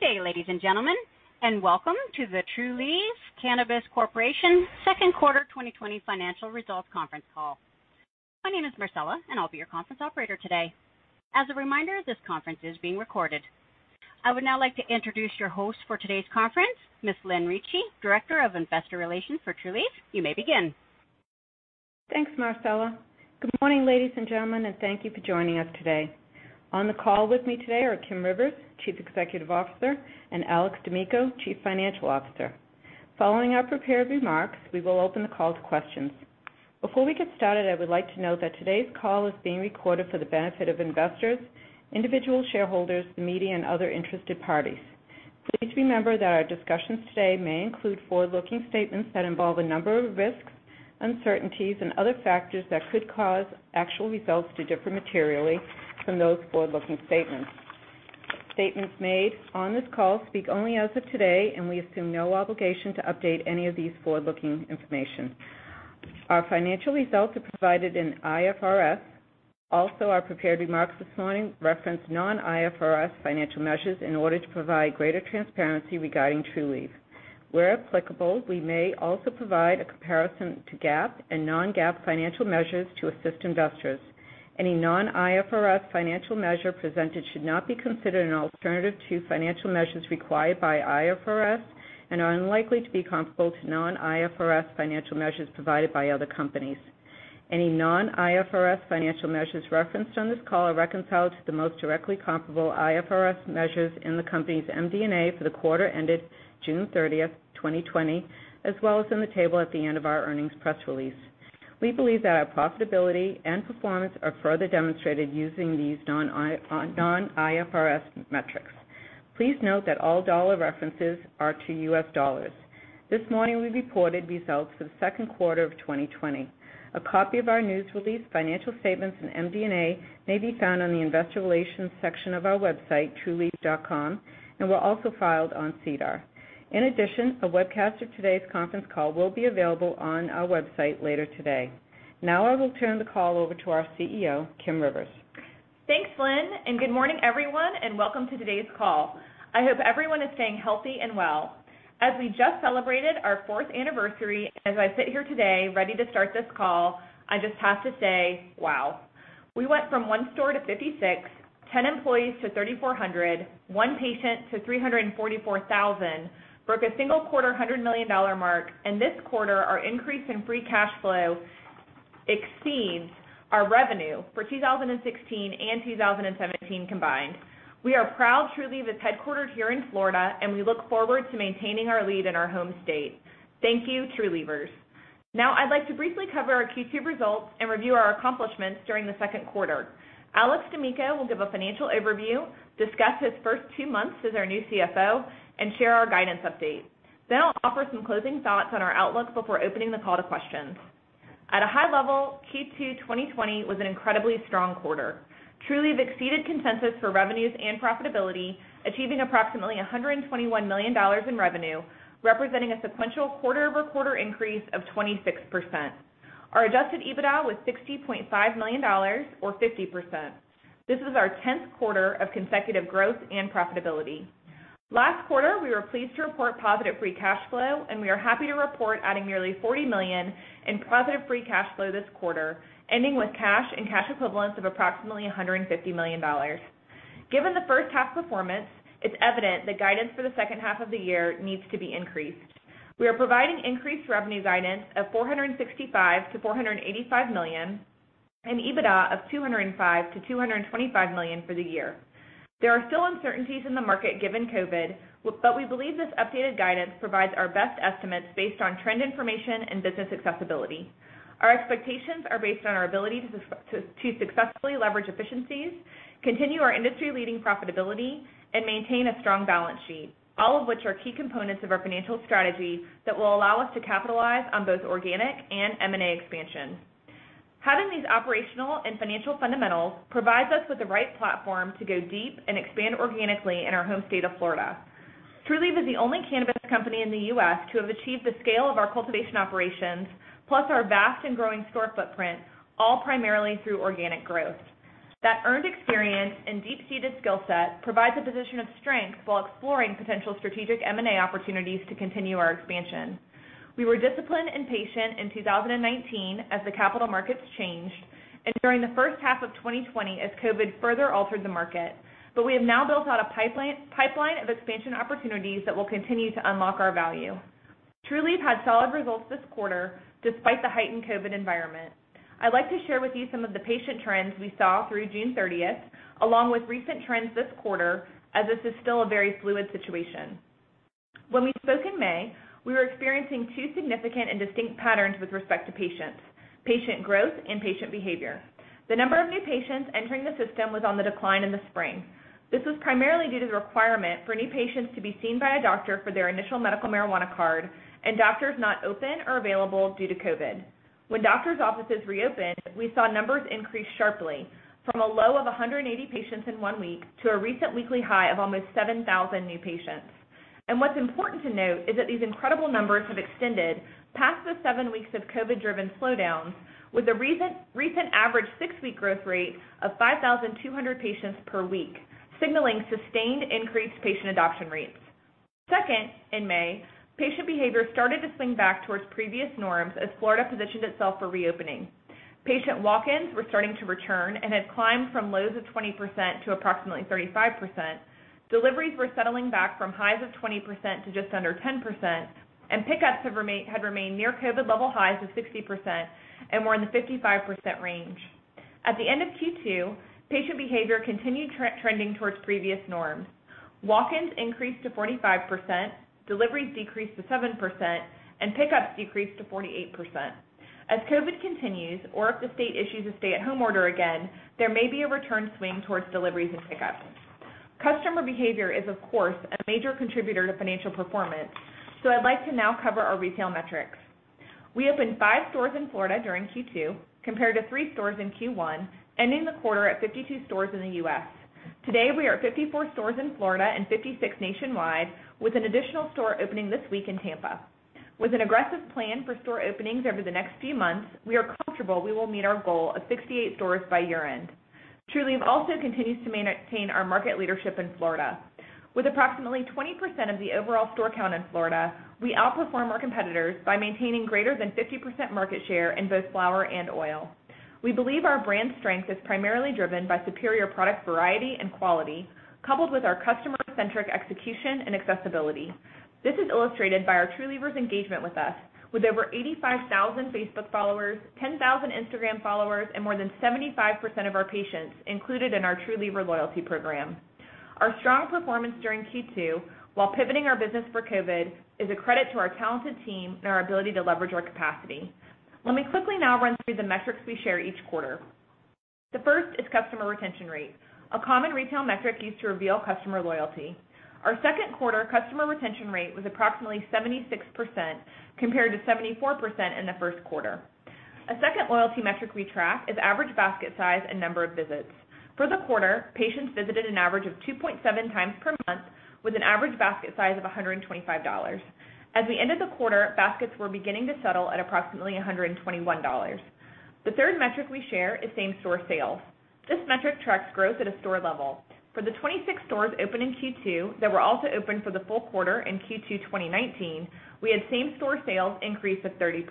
Good day, ladies and gentlemen, and welcome to the Trulieve Cannabis Corp. Second Quarter 2020 Financial Results Conference Call. My name is Marcella, and I'll be your conference operator today. As a reminder, this conference is being recorded. I would now like to introduce your host for today's conference, Ms. Lynn Ricci, Director of Investor Relations for Trulieve. You may begin. Thanks, Marcella. Good morning, ladies and gentlemen, and thank you for joining us today. On the call with me today are Kim Rivers, Chief Executive Officer, and Alex D'Amico, Chief Financial Officer. Following our prepared remarks, we will open the call to questions. Before we get started, I would like to note that today's call is being recorded for the benefit of investors, individual shareholders, the media, and other interested parties. Please remember that our discussions today may include forward-looking statements that involve a number of risks, uncertainties, and other factors that could cause actual results to differ materially from those forward-looking statements. Statements made on this call speak only as of today, and we assume no obligation to update any of these forward-looking information. Our financial results are provided in IFRS. Also, our prepared remarks this morning reference non-IFRS financial measures in order to provide greater transparency regarding Trulieve. Where applicable, we may also provide a comparison to GAAP and non-GAAP financial measures to assist investors. Any non-IFRS financial measure presented should not be considered an alternative to financial measures required by IFRS and are unlikely to be comparable to non-IFRS financial measures provided by other companies. Any non-IFRS financial measures referenced on this call are reconciled to the most directly comparable IFRS measures in the company's MD&A for the quarter ended June 30, 2020, as well as in the table at the end of our earnings press release. We believe that our profitability and performance are further demonstrated using these non-IFRS metrics. Please note that all dollar references are to U.S. dollars. This morning, we reported results for the second quarter of 2020. A copy of our news release, financial statements, and MD&A may be found on the investor relations section of our website, trulieve.com, and were also filed on SEDAR. In addition, a webcast of today's conference call will be available on our website later today. Now, I will turn the call over to our CEO, Kim Rivers. Thanks, Lynn. Good morning, everyone, and welcome to today's call. I hope everyone is staying healthy and well. As we just celebrated our fourth anniversary, as I sit here today, ready to start this call, I just have to say, wow. We went from one store to 56, 10 employees to 3,400, one patient to 344,000, broke a single quarter $100 million mark. This quarter, our increase in free cash flow exceeds our revenue for 2016 and 2017 combined. We are proud Trulieve is headquartered here in Florida. We look forward to maintaining our lead in our home state. Thank you, Trulievers. Now, I'd like to briefly cover our Q2 results and review our accomplishments during the second quarter. Alex D'Amico will give a financial overview, discuss his first two months as our new CFO, and share our guidance update. I'll offer some closing thoughts on our outlook before opening the call to questions. At a high level, Q2 2020 was an incredibly strong quarter. Trulieve exceeded consensus for revenues and profitability, achieving approximately $121 million in revenue, representing a sequential quarter-over-quarter increase of 26%. Our adjusted EBITDA was $60.5 million, or 50%. This is our 10th quarter of consecutive growth and profitability. Last quarter, we were pleased to report positive free cash flow, and we are happy to report adding nearly $40 million in positive free cash flow this quarter, ending with cash and cash equivalents of approximately $150 million. Given the first half performance, it's evident that guidance for the second half of the year needs to be increased. We are providing increased revenue guidance of $465 million-$485 million and EBITDA of $205 million-$225 million for the year. There are still uncertainties in the market given COVID, but we believe this updated guidance provides our best estimates based on trend information and business accessibility. Our expectations are based on our ability to successfully leverage efficiencies, continue our industry-leading profitability, and maintain a strong balance sheet, all of which are key components of our financial strategy that will allow us to capitalize on both organic and M&A expansion. Having these operational and financial fundamentals provides us with the right platform to go deep and expand organically in our home state of Florida. Trulieve is the only cannabis company in the U.S. to have achieved the scale of our cultivation operations, plus our vast and growing store footprint, all primarily through organic growth. That earned experience and deep-seated skill set provides a position of strength while exploring potential strategic M&A opportunities to continue our expansion. We were disciplined and patient in 2019 as the capital markets changed and during the first half of 2020 as COVID further altered the market. We have now built out a pipeline of expansion opportunities that will continue to unlock our value. Trulieve had solid results this quarter despite the heightened COVID environment. I'd like to share with you some of the patient trends we saw through June 30, along with recent trends this quarter, as this is still a very fluid situation. When we spoke in May, we were experiencing two significant and distinct patterns with respect to patients, patient growth and patient behavior. The number of new patients entering the system was on the decline in the spring. This was primarily due to the requirement for new patients to be seen by a doctor for their initial medical marijuana card and doctors not open or available due to COVID. When doctors' offices reopened, we saw numbers increase sharply from a low of 180 patients in one week to a recent weekly high of almost 7,000 new patients. What's important to note is that these incredible numbers have extended past the seven weeks of COVID-driven slowdowns, with a recent average six-week growth rate of 5,200 patients per week, signaling sustained increased patient adoption rates. Second, in May, patient behavior started to swing back towards previous norms as Florida positioned itself for reopening. Patient walk-ins were starting to return and had climbed from lows of 20% to approximately 35%. Deliveries were settling back from highs of 20% to just under 10%, and pickups had remained near COVID level highs of 60% and were in the 55% range. At the end of Q2, patient behavior continued trending towards previous norms. Walk-ins increased to 45%, deliveries decreased to 7%, and pickups decreased to 48%. As COVID continues, or if the state issues a stay-at-home order again, there may be a return swing towards deliveries and pickups. Customer behavior is, of course, a major contributor to financial performance, so I'd like to now cover our retail metrics. We opened five stores in Florida during Q2 compared to three stores in Q1, ending the quarter at 52 stores in the U.S. Today, we are 54 stores in Florida and 56 nationwide, with an additional store opening this week in Tampa. With an aggressive plan for store openings over the next few months, we are comfortable we will meet our goal of 68 stores by year-end. Trulieve also continues to maintain our market leadership in Florida. With approximately 20% of the overall store count in Florida, we outperform our competitors by maintaining greater than 50% market share in both flower and oil. We believe our brand strength is primarily driven by superior product variety and quality, coupled with our customer-centric execution and accessibility. This is illustrated by our Trulievers' engagement with us, with over 85,000 Facebook followers, 10,000 Instagram followers, and more than 75% of our patients included in our Truliever loyalty program. Our strong performance during Q2 while pivoting our business for COVID is a credit to our talented team and our ability to leverage our capacity. Let me quickly now run through the metrics we share each quarter. The first is customer retention rate, a common retail metric used to reveal customer loyalty. Our second quarter customer retention rate was approximately 76% compared to 74% in the first quarter. A second loyalty metric we track is average basket size and number of visits. For the quarter, patients visited an average of 2.7x per month with an average basket size of $125. As we ended the quarter, baskets were beginning to settle at approximately $121. The third metric we share is same-store sales. This metric tracks growth at a store level. For the 26 stores open in Q2 that were also open for the full quarter in Q2 2019, we had same-store sales increase of 30%.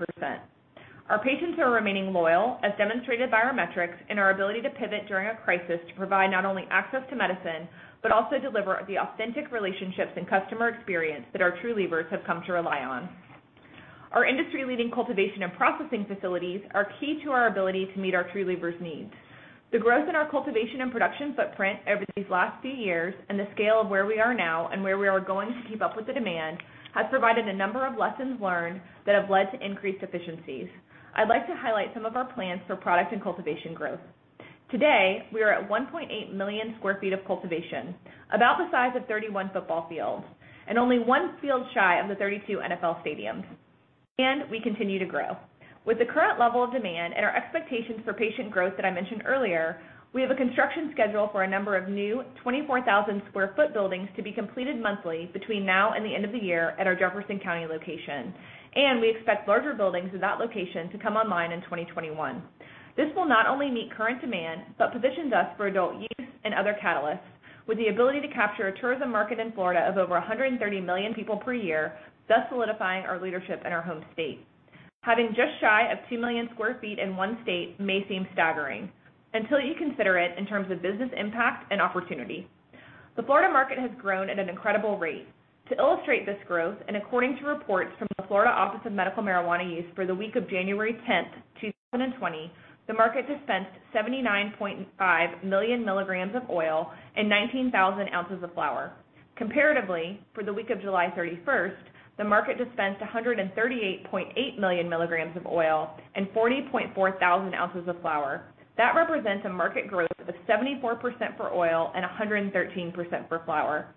Our patients are remaining loyal, as demonstrated by our metrics and our ability to pivot during a crisis to provide not only access to medicine, but also deliver the authentic relationships and customer experience that our Trulievers have come to rely on. Our industry-leading cultivation and processing facilities are key to our ability to meet our Trulievers' needs. The growth in our cultivation and production footprint over these last few years and the scale of where we are now and where we are going to keep up with the demand has provided a number of lessons learned that have led to increased efficiencies. I'd like to highlight some of our plans for product and cultivation growth. Today, we are at 1.8 million square feet of cultivation, about the size of 31 football fields and only one field shy of the 32 NFL stadiums. We continue to grow. With the current level of demand and our expectations for patient growth that I mentioned earlier, we have a construction schedule for a number of new 24,000 sq ft buildings to be completed monthly between now and the end of the year at our Jefferson County location. We expect larger buildings at that location to come online in 2021. This will not only meet current demand but positions us for adult use and other catalysts with the ability to capture a tourism market in Florida of over 130 million people per year, thus solidifying our leadership in our home state. Having just shy of 2 million square feet in one state may seem staggering until you consider it in terms of business impact and opportunity. The Florida market has grown at an incredible rate. To illustrate this growth, according to reports from the Florida Office of Medical Marijuana Use for the week of January 10, 2020, the market dispensed 79.5 million milligrams of oil and 19,000 ounces of flower. Comparatively, for the week of July 31, the market dispensed 138.8 million milligrams of oil and 40,400 ounces of flower. That represents a market growth of 74% for oil and 113% for flower.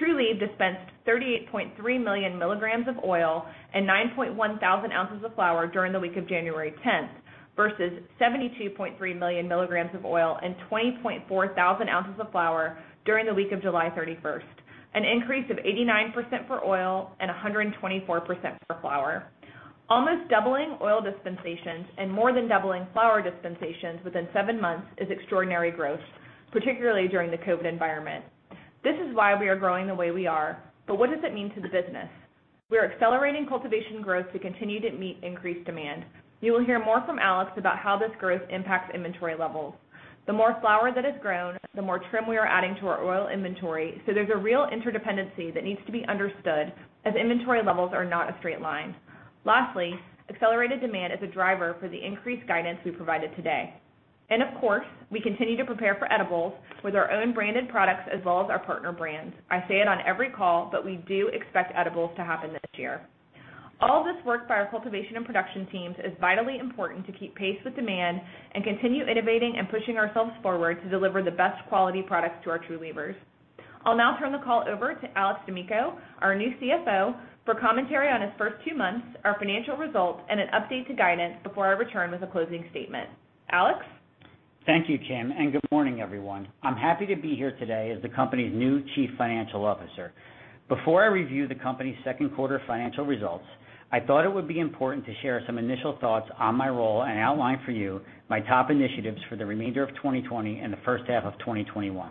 Trulieve dispensed 38.3 million milligrams of oil and 9.1 thousand ounces of flower during the week of January 10 versus 72.3 million milligrams of oil and 20.4 thousand ounces of flower during the week of July 31. An increase of 89% for oil and 124% for flower. Almost doubling oil dispensations and more than doubling flower dispensations within seven months is extraordinary growth, particularly during the COVID environment. This is why we are growing the way we are. What does it mean to the business? We are accelerating cultivation growth to continue to meet increased demand. You will hear more from Alex about how this growth impacts inventory levels. The more flower that is grown, the more trim we are adding to our oil inventory, so there's a real interdependency that needs to be understood as inventory levels are not a straight line. Lastly, accelerated demand is a driver for the increased guidance we provided today. Of course, we continue to prepare for edibles with our own branded products as well as our partner brands. I say it on every call, but we do expect edibles to happen this year. All this work by our cultivation and production teams is vitally important to keep pace with demand and continue innovating and pushing ourselves forward to deliver the best quality products to our Trulievers. I'll now turn the call over to Alex D'Amico, our new CFO, for commentary on his first two months, our financial results, and an update to guidance before I return with a closing statement. Alex? Thank you, Kim. Good morning, everyone. I'm happy to be here today as the company's new Chief Financial Officer. Before I review the company's second quarter financial results, I thought it would be important to share some initial thoughts on my role and outline for you my top initiatives for the remainder of 2020 and the first half of 2021.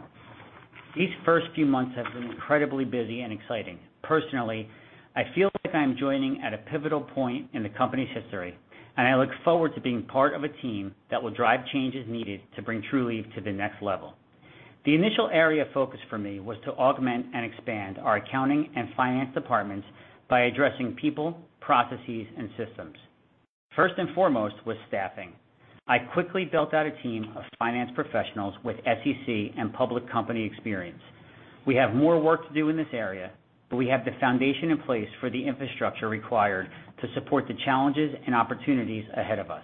These first few months have been incredibly busy and exciting. Personally, I feel like I'm joining at a pivotal point in the company's history, and I look forward to being part of a team that will drive changes needed to bring Trulieve to the next level. The initial area of focus for me was to augment and expand our accounting and finance departments by addressing people, processes, and systems. First and foremost was staffing. I quickly built out a team of finance professionals with SEC and public company experience. We have more work to do in this area, but we have the foundation in place for the infrastructure required to support the challenges and opportunities ahead of us.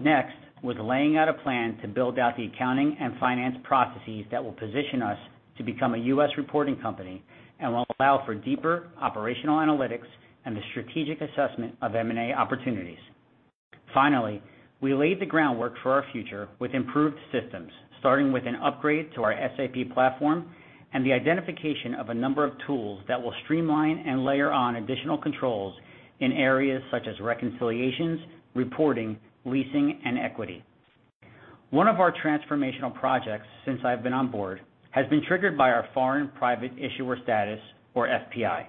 Next, was laying out a plan to build out the accounting and finance processes that will position us to become a U.S. reporting company and will allow for deeper operational analytics and the strategic assessment of M&A opportunities. Finally, we laid the groundwork for our future with improved systems, starting with an upgrade to our SAP platform and the identification of a number of tools that will streamline and layer on additional controls in areas such as reconciliations, reporting, leasing, and equity. One of our transformational projects since I've been on board has been triggered by our foreign private issuer status, or FPI.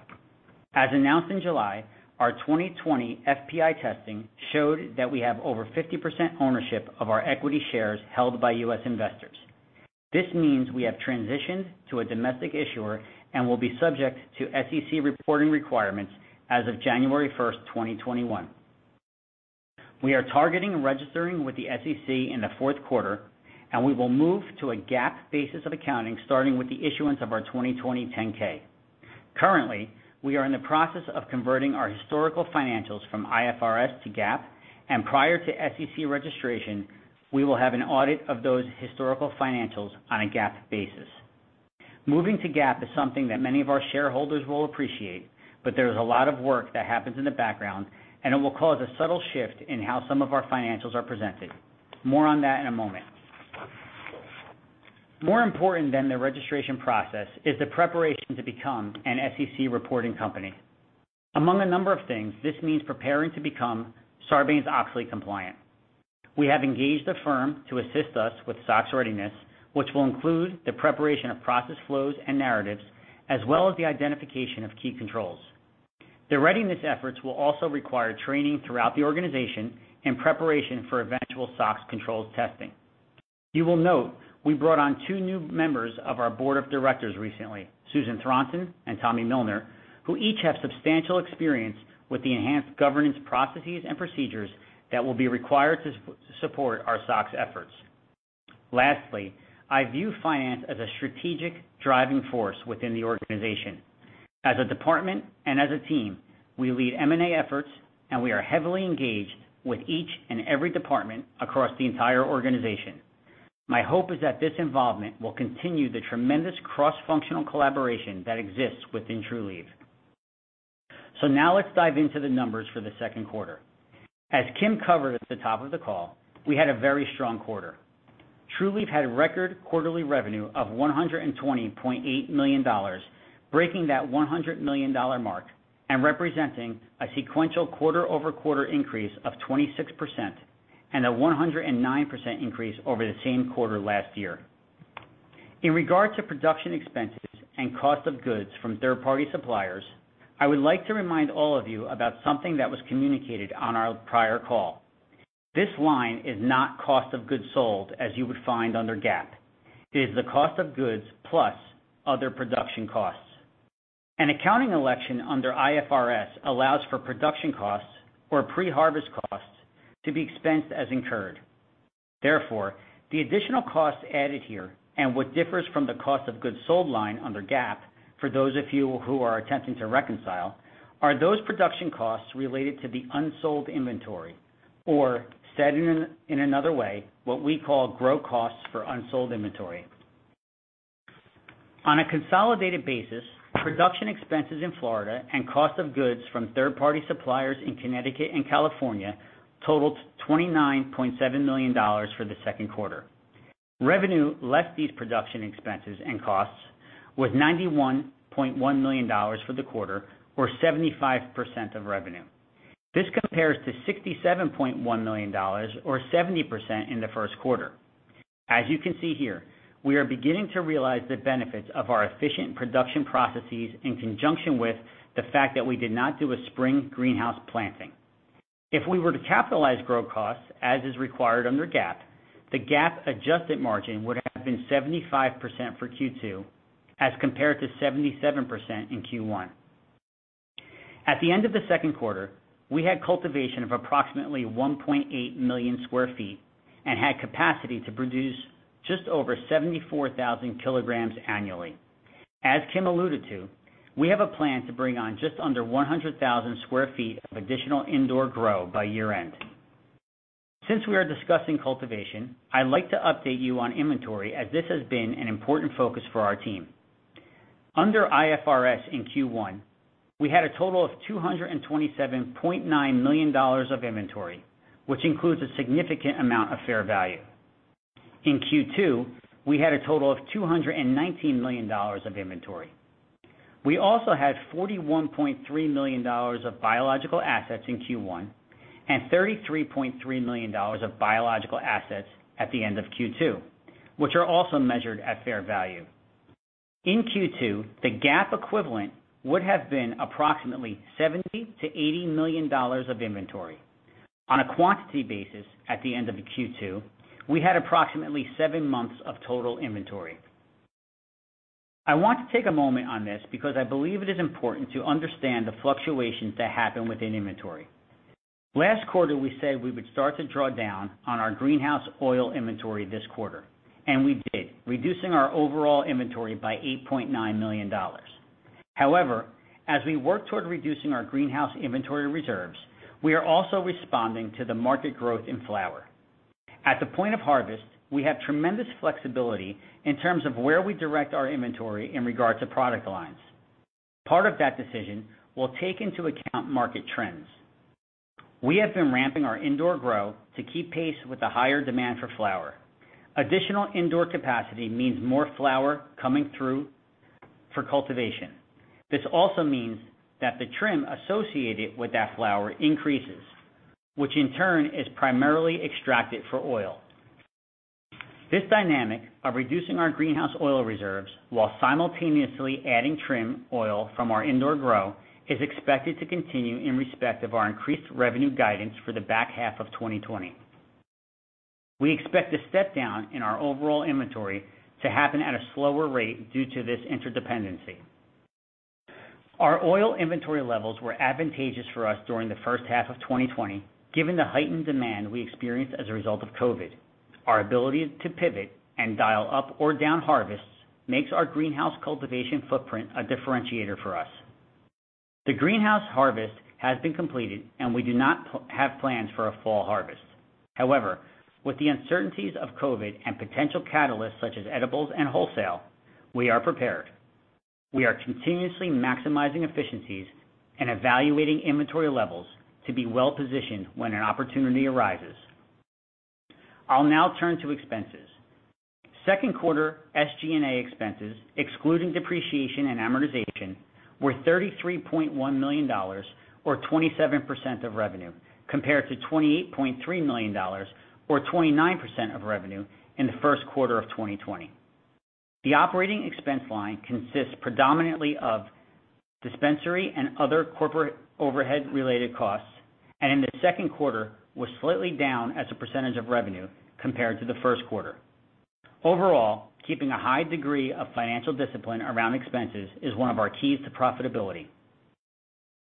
As announced in July, our 2020 FPI testing showed that we have over 50% ownership of our equity shares held by U.S. investors. This means we have transitioned to a domestic issuer and will be subject to SEC reporting requirements as of January 1, 2021. We are targeting registering with the SEC in the fourth quarter, and we will move to a GAAP basis of accounting starting with the issuance of our 2020 10-K. Currently, we are in the process of converting our historical financials from IFRS to GAAP, and prior to SEC registration, we will have an audit of those historical financials on a GAAP basis. Moving to GAAP is something that many of our shareholders will appreciate, but there is a lot of work that happens in the background, and it will cause a subtle shift in how some of our financials are presented. More on that in a moment. More important than the registration process is the preparation to become an SEC reporting company. Among a number of things, this means preparing to become Sarbanes-Oxley compliant. We have engaged a firm to assist us with SOX readiness, which will include the preparation of process flows and narratives, as well as the identification of key controls. The readiness efforts will also require training throughout the organization in preparation for eventual SOX controls testing. You will note we brought on two new members of our board of directors recently, Susan Thronson and Thomas Millner, who each have substantial experience with the enhanced governance processes and procedures that will be required to support our SOX efforts. Lastly, I view finance as a strategic driving force within the organization. As a department and as a team, we lead M&A efforts, and we are heavily engaged with each and every department across the entire organization. My hope is that this involvement will continue the tremendous cross-functional collaboration that exists within Trulieve. Now let's dive into the numbers for the second quarter. As Kim covered at the top of the call, we had a very strong quarter. Trulieve had record quarterly revenue of $120.8 million, breaking that $100 million mark and representing a sequential quarter-over-quarter increase of 26% and a 109% increase over the same quarter last year. In regard to production expenses and cost of goods from third-party suppliers, I would like to remind all of you about something that was communicated on our prior call. This line is not cost of goods sold as you would find under GAAP. It is the cost of goods plus other production costs. An accounting election under IFRS allows for production costs or pre-harvest costs to be expensed as incurred. Therefore, the additional cost added here and what differs from the cost of goods sold line under GAAP, for those of you who are attempting to reconcile, are those production costs related to the unsold inventory, or said in another way, what we call grow costs for unsold inventory. On a consolidated basis, production expenses in Florida and cost of goods from third-party suppliers in Connecticut and California totaled $29.7 million for the second quarter. Revenue less these production expenses and costs was $91.1 million for the quarter or 75% of revenue. This compares to $67.1 million or 70% in the first quarter. As you can see here, we are beginning to realize the benefits of our efficient production processes in conjunction with the fact that we did not do a spring greenhouse planting. If we were to capitalize grow costs, as is required under GAAP, the GAAP adjusted margin would have been 75% for Q2 as compared to 77% in Q1. At the end of the second quarter, we had cultivation of approximately 1.8 million square feet and had capacity to produce just over 74,000 kg annually. As Kim alluded to, we have a plan to bring on just under 100,000 sq ft of additional indoor grow by year end. Since we are discussing cultivation, I'd like to update you on inventory as this has been an important focus for our team. Under IFRS in Q1, we had a total of $227.9 million of inventory, which includes a significant amount of fair value. In Q2, we had a total of $219 million of inventory. We also had $41.3 million of biological assets in Q1 and $33.3 million of biological assets at the end of Q2, which are also measured at fair value. In Q2, the GAAP equivalent would have been approximately $70 million-$80 million of inventory. On a quantity basis at the end of Q2, we had approximately seven months of total inventory. I want to take a moment on this because I believe it is important to understand the fluctuations that happen within inventory. Last quarter, we said we would start to draw down on our greenhouse oil inventory this quarter, and we did, reducing our overall inventory by $8.9 million. As we work toward reducing our greenhouse inventory reserves, we are also responding to the market growth in flower. At the point of harvest, we have tremendous flexibility in terms of where we direct our inventory in regard to product lines. Part of that decision will take into account market trends. We have been ramping our indoor grow to keep pace with the higher demand for flower. Additional indoor capacity means more flower coming through for cultivation. This also means that the trim associated with that flower increases, which in turn is primarily extracted for oil. This dynamic of reducing our greenhouse oil reserves while simultaneously adding trim oil from our indoor grow is expected to continue in respect of our increased revenue guidance for the back half of 2020. We expect a step-down in our overall inventory to happen at a slower rate due to this interdependency. Our oil inventory levels were advantageous for us during the first half of 2020, given the heightened demand we experienced as a result of COVID. Our ability to pivot and dial up or down harvests makes our greenhouse cultivation footprint a differentiator for us. The greenhouse harvest has been completed, and we do not have plans for a fall harvest. However, with the uncertainties of COVID and potential catalysts such as edibles and wholesale, we are prepared. We are continuously maximizing efficiencies and evaluating inventory levels to be well-positioned when an opportunity arises. I'll now turn to expenses. Second quarter SG&A expenses, excluding depreciation and amortization, were $33.1 million or 27% of revenue, compared to $28.3 million or 29% of revenue in the first quarter of 2020. The operating expense line consists predominantly of dispensary and other corporate overhead related costs, and in the second quarter was slightly down as a percentage of revenue compared to the first quarter. Overall, keeping a high degree of financial discipline around expenses is one of our keys to profitability.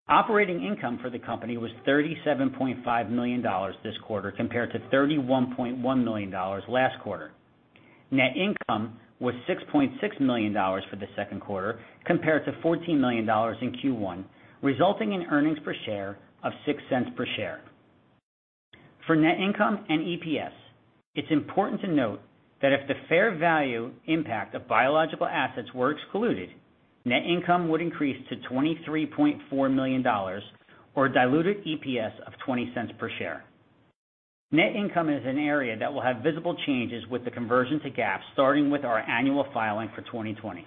Operating income for the company was $37.5 million this quarter, compared to $31.1 million last quarter. Net income was $6.6 million for the second quarter, compared to $14 million in Q1, resulting in earnings per share of $0.06 per share. For net income and EPS, it's important to note that if the fair value impact of biological assets were excluded, net income would increase to $23.4 million or diluted EPS of $0.20 per share. Net income is an area that will have visible changes with the conversion to GAAP, starting with our annual filing for 2020.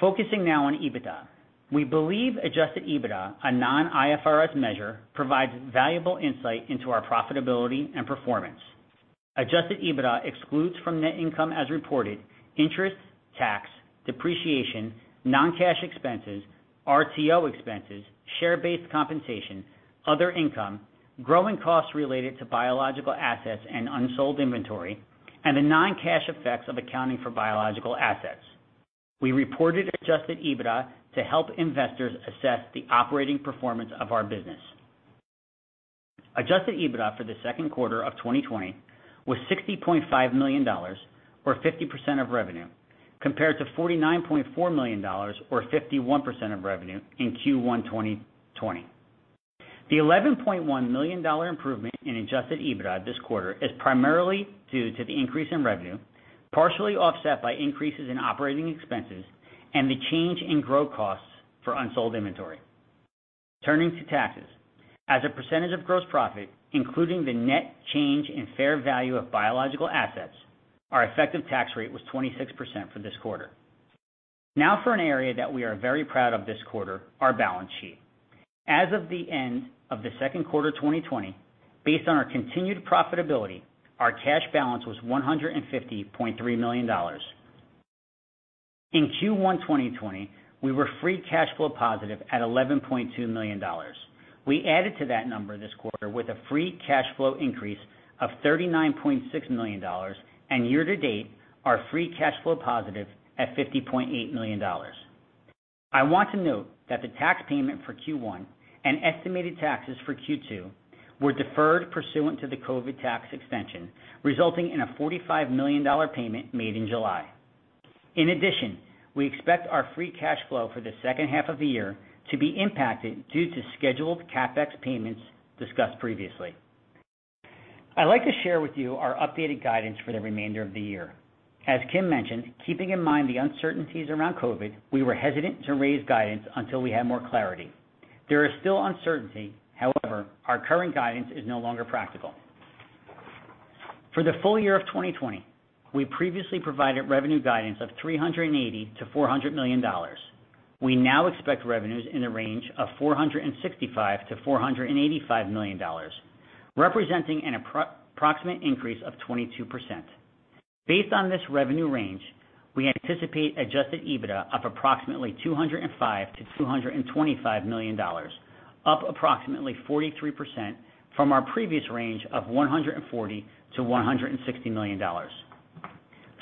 Focusing now on EBITDA. We believe adjusted EBITDA, a non-IFRS measure, provides valuable insight into our profitability and performance. Adjusted EBITDA excludes from net income as reported interests, tax, depreciation, non-cash expenses, RTO expenses, share-based compensation, other income, growing costs related to biological assets and unsold inventory, and the non-cash effects of accounting for biological assets. We reported adjusted EBITDA to help investors assess the operating performance of our business. Adjusted EBITDA for the second quarter of 2020 was $60.5 million or 50% of revenue, compared to $49.4 million or 51% of revenue in Q1 2020. The $11.1 million improvement in adjusted EBITDA this quarter is primarily due to the increase in revenue, partially offset by increases in operating expenses and the change in grow costs for unsold inventory. Turning to taxes. As a percentage of gross profit, including the net change in fair value of biological assets, our effective tax rate was 26% for this quarter. Now for an area that we are very proud of this quarter, our balance sheet. As of the end of the second quarter 2020, based on our continued profitability, our cash balance was $150.3 million. In Q1 2020, we were free cash flow positive at $11.2 million. We added to that number this quarter with a free cash flow increase of $39.6 million, and year to date are free cash flow positive at $50.8 million. I want to note that the tax payment for Q1 and estimated taxes for Q2 were deferred pursuant to the COVID tax extension, resulting in a $45 million payment made in July. In addition, we expect our free cash flow for the second half of the year to be impacted due to scheduled CapEx payments discussed previously. I'd like to share with you our updated guidance for the remainder of the year. As Kim mentioned, keeping in mind the uncertainties around COVID, we were hesitant to raise guidance until we had more clarity. There is still uncertainty, however, our current guidance is no longer practical. For the full year of 2020, we previously provided revenue guidance of $380 million-$400 million. We now expect revenues in the range of $465 million-$485 million, representing an approximate increase of 22%. Based on this revenue range, we anticipate adjusted EBITDA of approximately $205 million-$225 million, up approximately 43% from our previous range of $140 million-$160 million.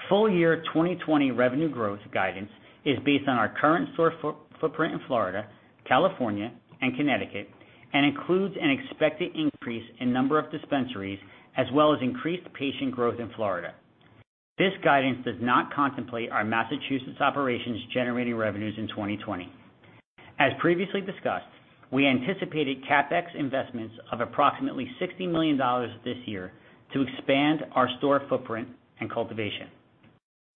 Full year 2020 revenue growth guidance is based on our current store footprint in Florida, California, and Connecticut, and includes an expected increase in number of dispensaries, as well as increased patient growth in Florida. This guidance does not contemplate our Massachusetts operations generating revenues in 2020. As previously discussed, we anticipated CapEx investments of approximately $60 million this year to expand our store footprint and cultivation.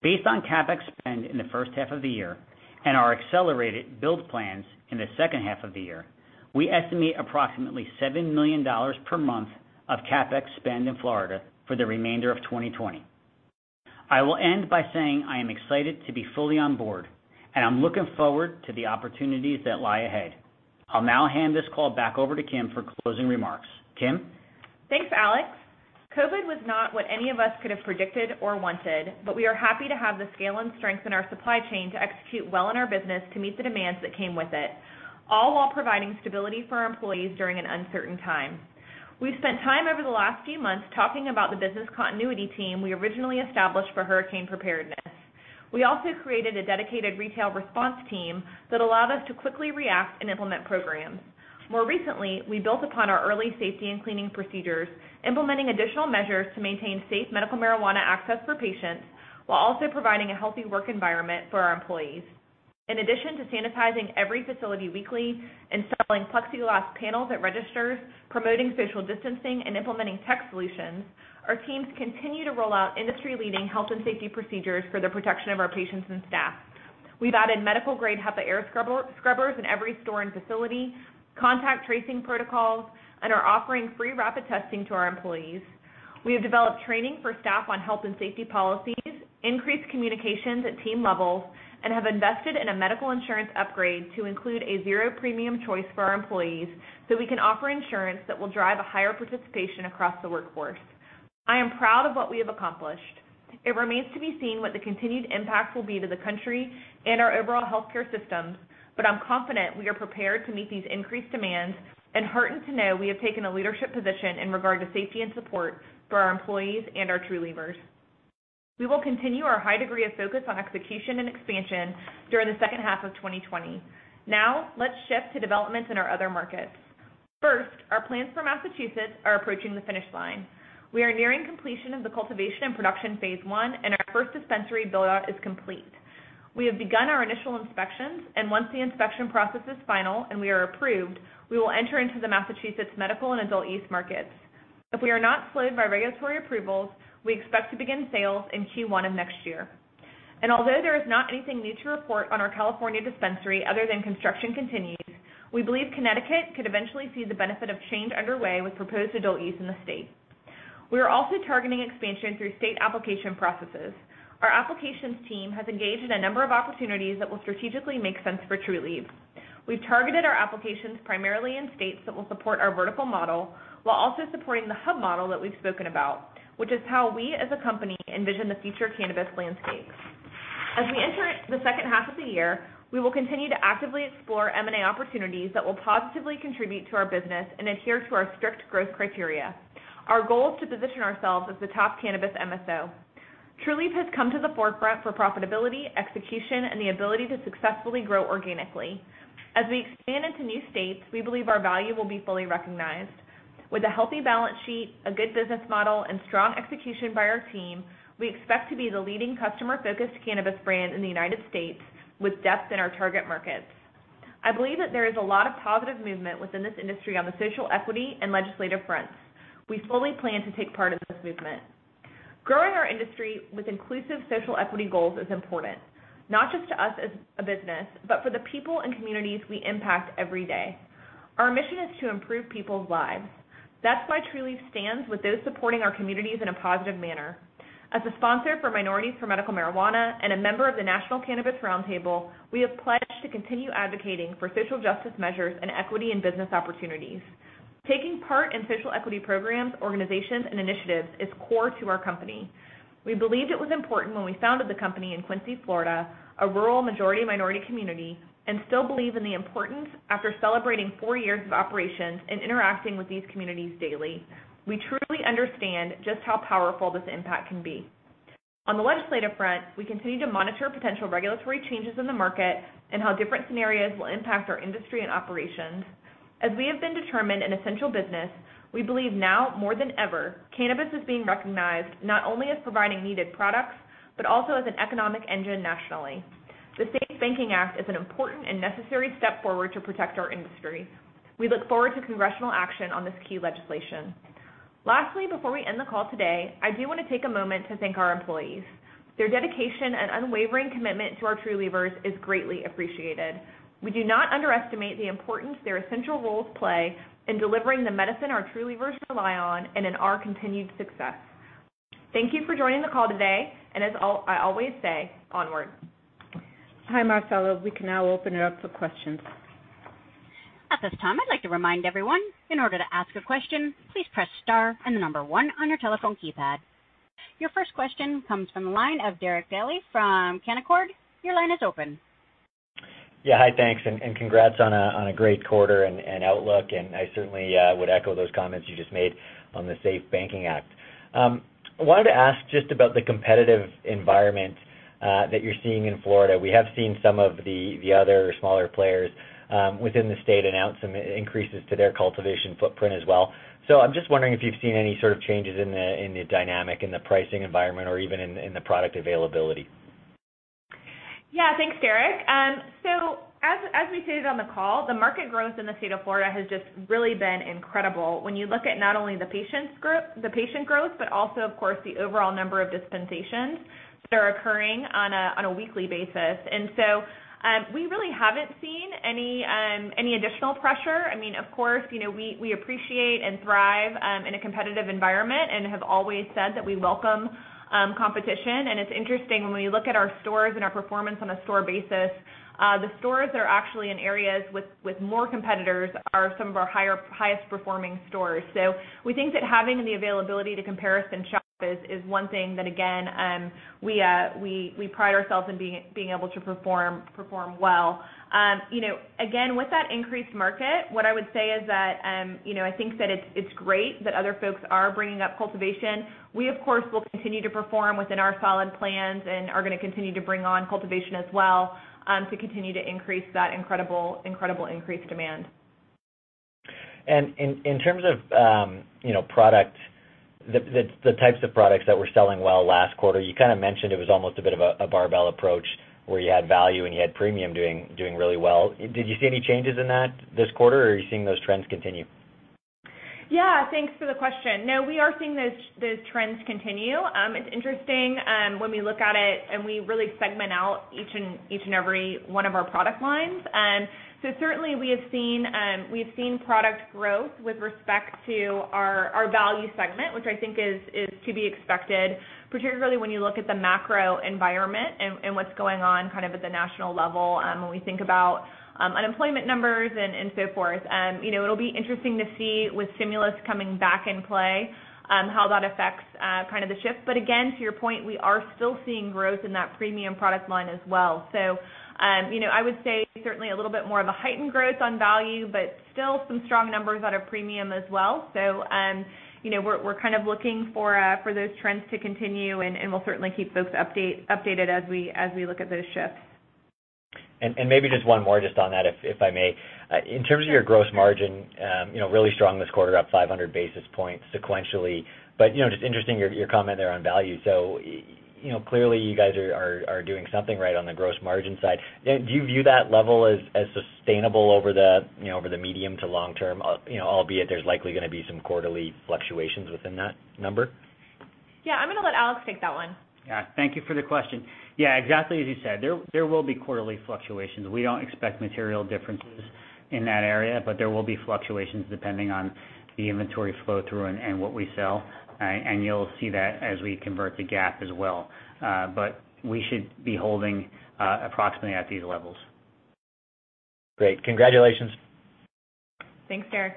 Based on CapEx spend in the first half of the year, and our accelerated build plans in the second half of the year, we estimate approximately $7 million per month of CapEx spend in Florida for the remainder of 2020. I will end by saying I am excited to be fully on board, and I'm looking forward to the opportunities that lie ahead. I'll now hand this call back over to Kim for closing remarks. Kim? Thanks, Alex. COVID was not what any of us could have predicted or wanted. We are happy to have the scale and strength in our supply chain to execute well in our business to meet the demands that came with it, all while providing stability for our employees during an uncertain time. We've spent time over the last few months talking about the business continuity team we originally established for hurricane preparedness. We also created a dedicated retail response team that allowed us to quickly react and implement programs. More recently, we built upon our early safety and cleaning procedures, implementing additional measures to maintain safe medical marijuana access for patients, while also providing a healthy work environment for our employees. In addition to sanitizing every facility weekly, installing plexiglass panels at registers, promoting social distancing, and implementing tech solutions, our teams continue to roll out industry-leading health and safety procedures for the protection of our patients and staff. We've added medical-grade HEPA air scrubbers in every store and facility, contact tracing protocols, and are offering free rapid testing to our employees. We have developed training for staff on health and safety policies, increased communications at team levels, and have invested in a medical insurance upgrade to include a zero premium choice for our employees, so we can offer insurance that will drive a higher participation across the workforce. I am proud of what we have accomplished. It remains to be seen what the continued impact will be to the country and our overall healthcare systems, but I'm confident we are prepared to meet these increased demands, and heartened to know we have taken a leadership position in regard to safety and support for our employees and our Trulievers. We will continue our high degree of focus on execution and expansion during the second half of 2020. Now, let's shift to developments in our other markets. First, our plans for Massachusetts are approaching the finish line. We are nearing completion of the cultivation and production Phase I, and our first dispensary build-out is complete. We have begun our initial inspections, and once the inspection process is final and we are approved, we will enter into the Massachusetts medical and adult-use markets. If we are not delayed by regulatory approvals, we expect to begin sales in Q1 of next year. Although there is not anything new to report on our California dispensary other than construction continues, we believe Connecticut could eventually see the benefit of change underway with proposed adult use in the state. We are also targeting expansion through state application processes. Our applications team has engaged in a number of opportunities that will strategically make sense for Trulieve. We've targeted our applications primarily in states that will support our vertical model, while also supporting the hub model that we've spoken about, which is how we, as a company, envision the future cannabis landscape. As we enter the second half of the year, we will continue to actively explore M&A opportunities that will positively contribute to our business and adhere to our strict growth criteria. Our goal is to position ourselves as the top cannabis MSO. Trulieve has come to the forefront for profitability, execution, and the ability to successfully grow organically. As we expand into new states, we believe our value will be fully recognized. With a healthy balance sheet, a good business model, and strong execution by our team, we expect to be the leading customer-focused cannabis brand in the United States, with depth in our target markets. I believe that there is a lot of positive movement within this industry on the social equity and legislative fronts. We fully plan to take part in this movement. Growing our industry with inclusive social equity goals is important, not just to us as a business, but for the people and communities we impact every day. Our mission is to improve people's lives. That's why Trulieve stands with those supporting our communities in a positive manner. As a sponsor for Minorities for Medical Marijuana and a member of the National Cannabis Roundtable, we have pledged to continue advocating for social justice measures and equity in business opportunities. Taking part in social equity programs, organizations, and initiatives is core to our company. We believed it was important when we founded the company in Quincy, Florida, a rural majority-minority community, and still believe in the importance after celebrating four years of operations and interacting with these communities daily. We truly understand just how powerful this impact can be. On the legislative front, we continue to monitor potential regulatory changes in the market and how different scenarios will impact our industry and operations. As we have been determined an essential business, we believe now more than ever, cannabis is being recognized not only as providing needed products, but also as an economic engine nationally. The SAFE Banking Act is an important and necessary step forward to protect our industry. We look forward to congressional action on this key legislation. Lastly, before we end the call today, I do want to take a moment to thank our employees. Their dedication and unwavering commitment to our Trulievers is greatly appreciated. We do not underestimate the importance their essential roles play in delivering the medicine our Trulievers rely on and in our continued success. Thank you for joining the call today, and as I always say, onward. Hi, Marcella. We can now open it up for questions. At this time, I'd like to remind everyone, in order to ask a question, please press star and 1 on your telephone keypad. Your first question comes from the line of Derek Dley from Canaccord. Your line is open. Yeah. Hi, thanks. Congrats on a great quarter and outlook. I certainly would echo those comments you just made on the SAFE Banking Act. I wanted to ask just about the competitive environment that you're seeing in Florida. We have seen some of the other smaller players within the state announce some increases to their cultivation footprint as well. I'm just wondering if you've seen any sort of changes in the dynamic, in the pricing environment, or even in the product availability. Thanks, Derek. As we stated on the call, the market growth in the state of Florida has just really been incredible when you look at not only the patient growth, but also, of course, the overall number of dispensations that are occurring on a weekly basis. We really haven't seen any additional pressure. I mean, of course, we appreciate and thrive in a competitive environment and have always said that we welcome competition. It's interesting when we look at our stores and our performance on a store basis, the stores that are actually in areas with more competitors are some of our highest-performing stores. We think that having the availability to comparison shop is one thing that, again, we pride ourselves in being able to perform well. Again, with that increased market, what I would say is that, I think that it's great that other folks are bringing up cultivation. We, of course, will continue to perform within our solid plans and are going to continue to bring on cultivation as well to continue to increase that incredible increased demand. In terms of the types of products that were selling well last quarter, you kind of mentioned it was almost a bit of a barbell approach where you had value and you had premium doing really well. Did you see any changes in that this quarter, or are you seeing those trends continue? Yeah. Thanks for the question. No, we are seeing those trends continue. It's interesting when we look at it and we really segment out each and every one of our product lines. Certainly, we have seen product growth with respect to our value segment, which I think is to be expected, particularly when you look at the macro environment and what's going on kind of at the national level when we think about unemployment numbers and so forth. It'll be interesting to see with stimulus coming back in play how that affects kind of the shift. Again, to your point, we are still seeing growth in that premium product line as well. I would say certainly a little bit more of a heightened growth on value, but still some strong numbers out of premium as well. We're kind of looking for those trends to continue, and we'll certainly keep folks updated as we look at those shifts. Maybe just one more just on that, if I may. In terms of your gross margin, really strong this quarter, up 500 basis points sequentially, but just interesting your comment there on value. Clearly you guys are doing something right on the gross margin side. Do you view that level as sustainable over the medium to long-term, albeit there's likely going to be some quarterly fluctuations within that number? Yeah. I'm going to let Alex take that one. Thank you for the question. Exactly as you said, there will be quarterly fluctuations. We don't expect material differences in that area. There will be fluctuations depending on the inventory flow-through and what we sell. You'll see that as we convert to GAAP as well. We should be holding approximately at these levels. Great. Congratulations. Thanks, Derek.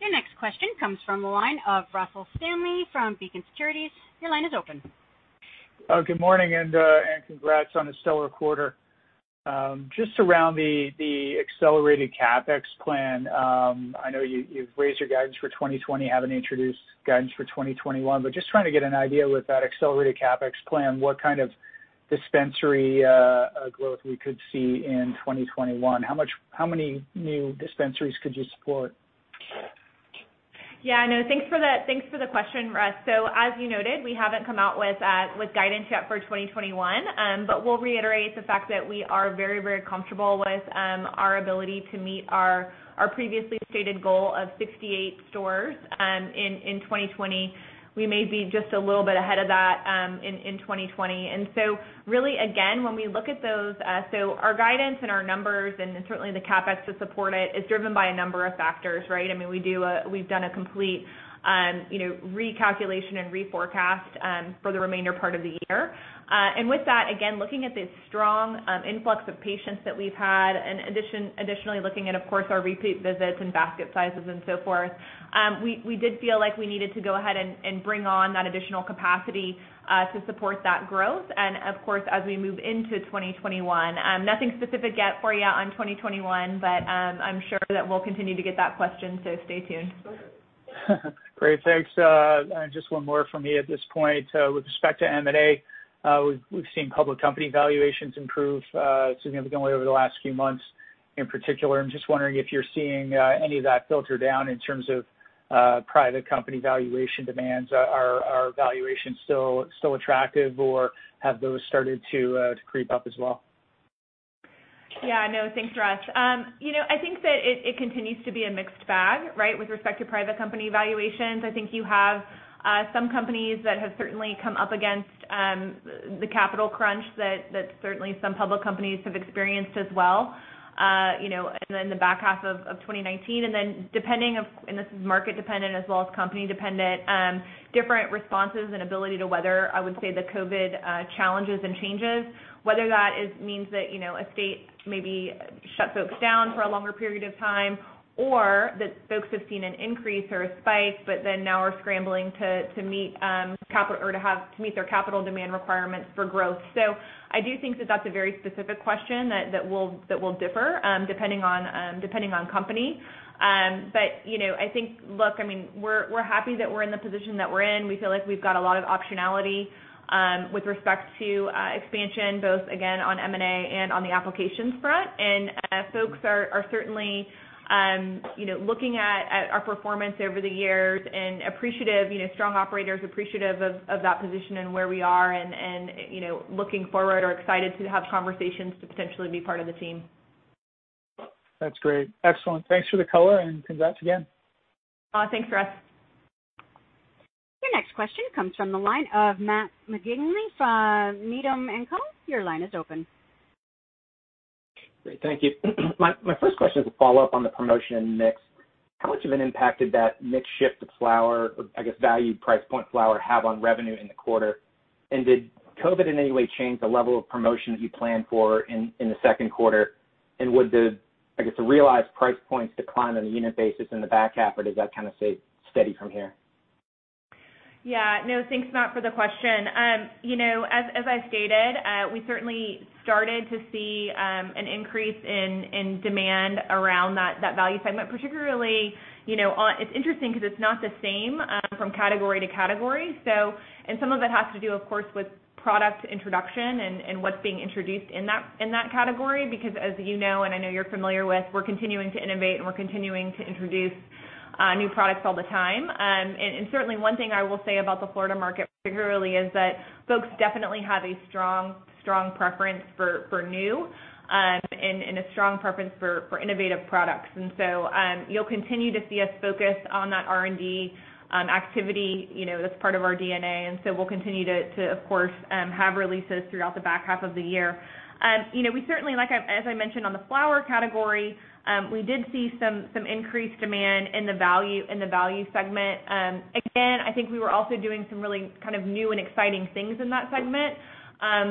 Your next question comes from the line of Russell Stanley from Beacon Securities. Your line is open. Good morning. Congrats on a stellar quarter. Just around the accelerated CapEx plan, I know you've raised your guidance for 2020, haven't introduced guidance for 2021, just trying to get an idea with that accelerated CapEx plan, what kind of dispensary growth we could see in 2021. How many new dispensaries could you support? Yeah, no, thanks for the question, Russ. As you noted, we haven't come out with guidance yet for 2021. We'll reiterate the fact that we are very, very comfortable with our ability to meet our previously stated goal of 68 stores in 2020. We may be just a little bit ahead of that in 2020. Really, again, when we look at those, so our guidance and our numbers and certainly the CapEx to support it is driven by a number of factors, right? I mean, we've done a complete recalculation and reforecast for the remainder part of the year. With that, again, looking at the strong influx of patients that we've had, and additionally looking at, of course, our repeat visits and basket sizes and so forth, we did feel like we needed to go ahead and bring on that additional capacity to support that growth and, of course, as we move into 2021. Nothing specific yet for you on 2021, I'm sure that we'll continue to get that question, so stay tuned. Great. Thanks. Just one more from me at this point. With respect to M&A, we've seen public company valuations improve significantly over the last few months. In particular, I'm just wondering if you're seeing any of that filter down in terms of private company valuation demands. Are valuations still attractive, or have those started to creep up as well? Yeah, no. Thanks, Russ. I think that it continues to be a mixed bag, right, with respect to private company valuations. I think you have some companies that have certainly come up against the capital crunch that certainly some public companies have experienced as well in the back half of 2019. Depending of, and this is market dependent as well as company dependent, different responses and ability to weather, I would say, the COVID challenges and changes, whether that means that a state maybe shut folks down for a longer period of time, or that folks have seen an increase or a spike, but then now are scrambling to meet their capital demand requirements for growth. I do think that that's a very specific question that will differ depending on company. I think, look, we're happy that we're in the position that we're in. We feel like we've got a lot of optionality with respect to expansion, both, again, on M&A and on the applications front. Folks are certainly looking at our performance over the years and strong operators appreciative of that position and where we are and looking forward or excited to have conversations to potentially be part of the team. That's great. Excellent. Thanks for the color, and congrats again. Thanks, Russ. Your next question comes from the line of Matt McGinley from Needham & Company. Your line is open. Great. Thank you. My first question is a follow-up on the promotion mix. How much of an impact did that mix shift to flower, or I guess value price point flower have on revenue in the quarter? Did COVID in any way change the level of promotion that you planned for in the second quarter? Would the, I guess, the realized price points decline on a unit basis in the back half, or does that kind of stay steady from here? Yeah. No, thanks, Matt, for the question. As I stated, we certainly started to see an increase in demand around that value segment, particularly on It's interesting because it's not the same from category to category. Some of it has to do, of course, with product introduction and what's being introduced in that category because as you know, and I know you're familiar with, we're continuing to innovate, and we're continuing to introduce new products all the time. Certainly, one thing I will say about the Florida market particularly is that folks definitely have a strong preference for new and a strong preference for innovative products. You'll continue to see us focus on that R&D activity. That's part of our DNA, we'll continue to, of course, have releases throughout the back half of the year. We certainly, as I mentioned on the flower category, we did see some increased demand in the value segment. Again, I think we were also doing some really kind of new and exciting things in that segment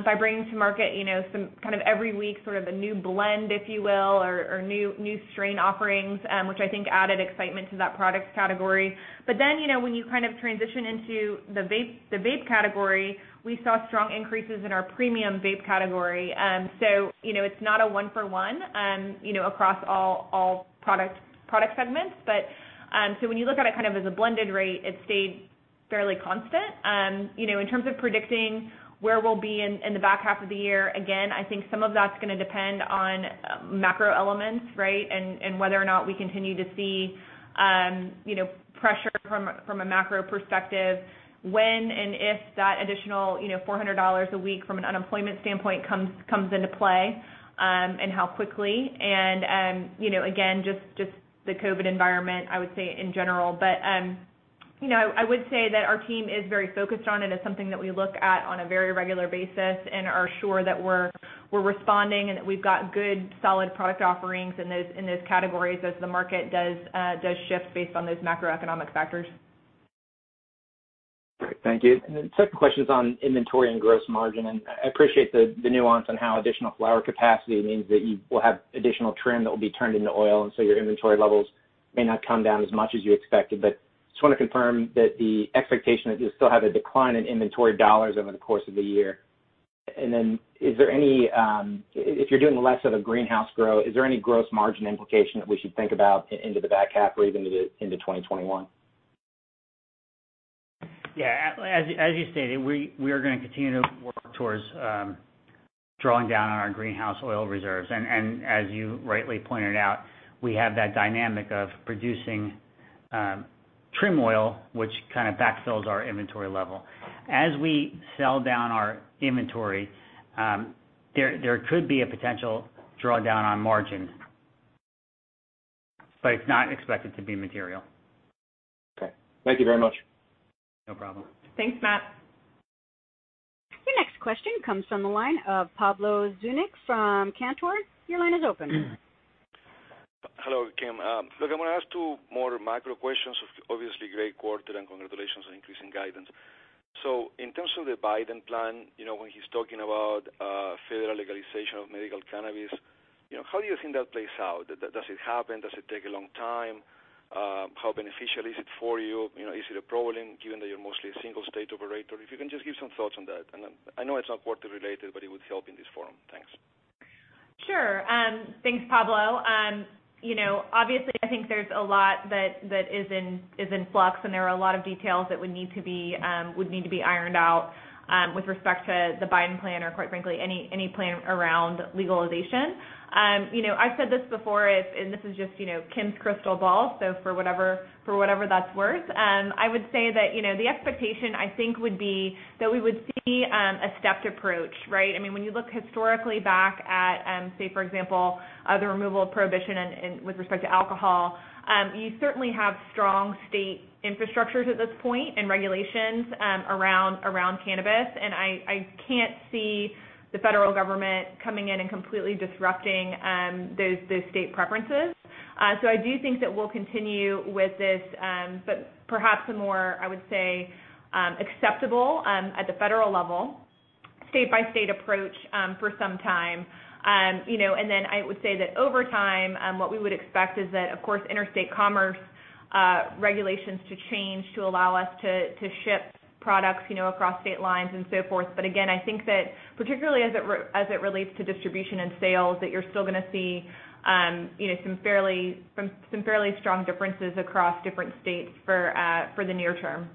by bringing to market some kind of every week sort of a new blend, if you will, or new strain offerings, which I think added excitement to that product category. When you kind of transition into the vape category, we saw strong increases in our premium vape category. It's not a one for one across all product segments. When you look at it kind of as a blended rate, it stayed fairly constant. In terms of predicting where we'll be in the back half of the year, again, I think some of that's going to depend on macro elements, right? Whether or not we continue to see pressure from a macro perspective, when and if that additional $400 a week from an unemployment standpoint comes into play, and how quickly. Again, just the COVID environment, I would say, in general. I would say that our team is very focused on it as something that we look at on a very regular basis and are sure that we're responding and that we've got good, solid product offerings in those categories as the market does shift based on those macroeconomic factors. Great. Thank you. The second question's on inventory and gross margin. I appreciate the nuance on how additional flower capacity means that you will have additional trim that will be turned into oil. Your inventory levels may not come down as much as you expected. Just want to confirm that the expectation that you'll still have a decline in inventory dollars over the course of the year. If you're doing less of a greenhouse grow, is there any gross margin implication that we should think about into the back half or even into 2021? Yeah. As you stated, we are going to continue to work towards drawing down on our greenhouse oil reserves. As you rightly pointed out, we have that dynamic of producing trim oil, which kind of backfills our inventory level. As we sell down our inventory, there could be a potential drawdown on margin, but it's not expected to be material. Okay. Thank you very much. No problem. Thanks, Matt. Your next question comes from the line of Pablo Zuanic from Cantor. Your line is open. Hello, Kim. Look, I want to ask two more macro questions. Obviously, great quarter. Congratulations on increasing guidance. In terms of the Biden plan, when he's talking about federal legalization of medical cannabis, how do you think that plays out? Does it happen? Does it take a long time? How beneficial is it for you? Is it a problem given that you're mostly a single state operator? If you can just give some thoughts on that, and I know it's not quarter related, but it would help in this forum. Thanks. Thanks, Pablo. I think there's a lot that is in flux, and there are a lot of details that would need to be ironed out with respect to the Biden plan or quite frankly, any plan around legalization. I've said this before, and this is just Kim's crystal ball, for whatever that's worth, I would say that the expectation, I think, would be that we would see a stepped approach, right? When you look historically back at, say, for example, the removal of prohibition with respect to alcohol, you certainly have strong state infrastructures at this point and regulations around cannabis, I can't see the federal government coming in and completely disrupting those state preferences. I do think that we'll continue with this, but perhaps a more, I would say, acceptable at the federal level, state-by-state approach for some time. I would say that over time, what we would expect is that, of course, interstate commerce regulations to change to allow us to ship products across state lines and so forth. Again, I think that particularly as it relates to distribution and sales, that you're still going to see some fairly strong differences across different states for the near-term.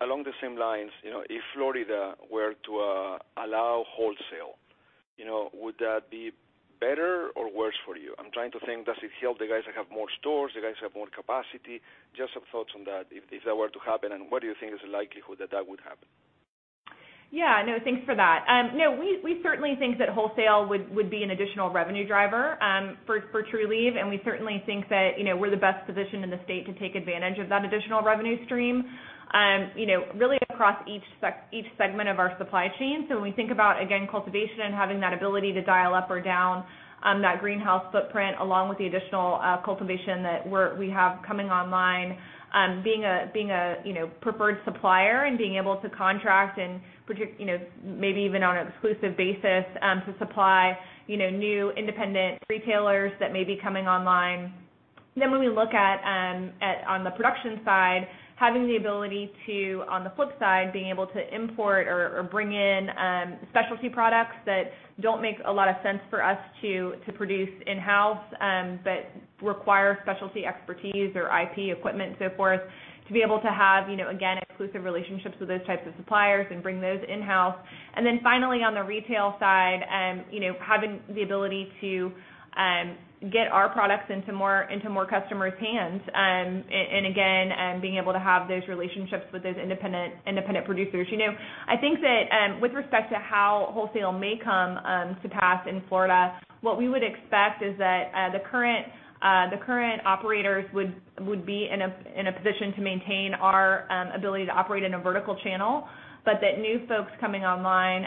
Along the same lines, if Florida were to allow wholesale, would that be better or worse for you? I'm trying to think, does it help the guys that have more stores, the guys that have more capacity? Just some thoughts on that, if that were to happen, and what do you think is the likelihood that that would happen? Yeah. No, thanks for that. We certainly think that wholesale would be an additional revenue driver for Trulieve, and we certainly think that we're the best positioned in the state to take advantage of that additional revenue stream, really across each segment of our supply chain. When we think about, again, cultivation and having that ability to dial up or down that greenhouse footprint, along with the additional cultivation that we have coming online, being a preferred supplier and being able to contract and maybe even on an exclusive basis to supply new independent retailers that may be coming online. When we look on the production side, having the ability to, on the flip side, being able to import or bring in specialty products that don't make a lot of sense for us to produce in-house, but require specialty expertise or IP equipment and so forth, to be able to have, again, exclusive relationships with those types of suppliers and bring those in-house. Finally, on the retail side, having the ability to get our products into more customers' hands, and again, being able to have those relationships with those independent producers. I think that with respect to how wholesale may come to pass in Florida, what we would expect is that the current operators would be in a position to maintain our ability to operate in a vertical channel, but that new folks coming online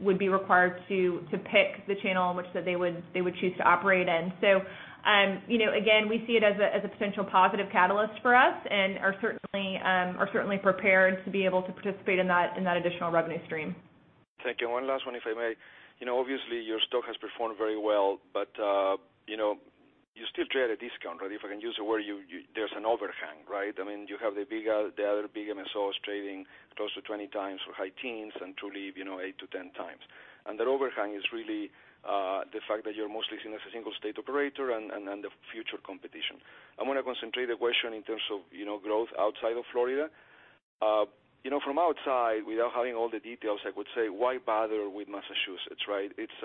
would be required to pick the channel in which that they would choose to operate in. Again, we see it as a potential positive catalyst for us and are certainly prepared to be able to participate in that additional revenue stream. Thank you. One last one, if I may. Obviously, your stock has performed very well, you still trade at a discount, right? If I can use the word, there's an overhang, right? You have the other big MSOs trading close to 20x for high teens, and Trulieve, 8x-10x. That overhang is really the fact that you're mostly seen as a single-state operator and the future competition. I want to concentrate the question in terms of growth outside of Florida. From outside, without having all the details, I would say, why bother with Massachusetts, right? It's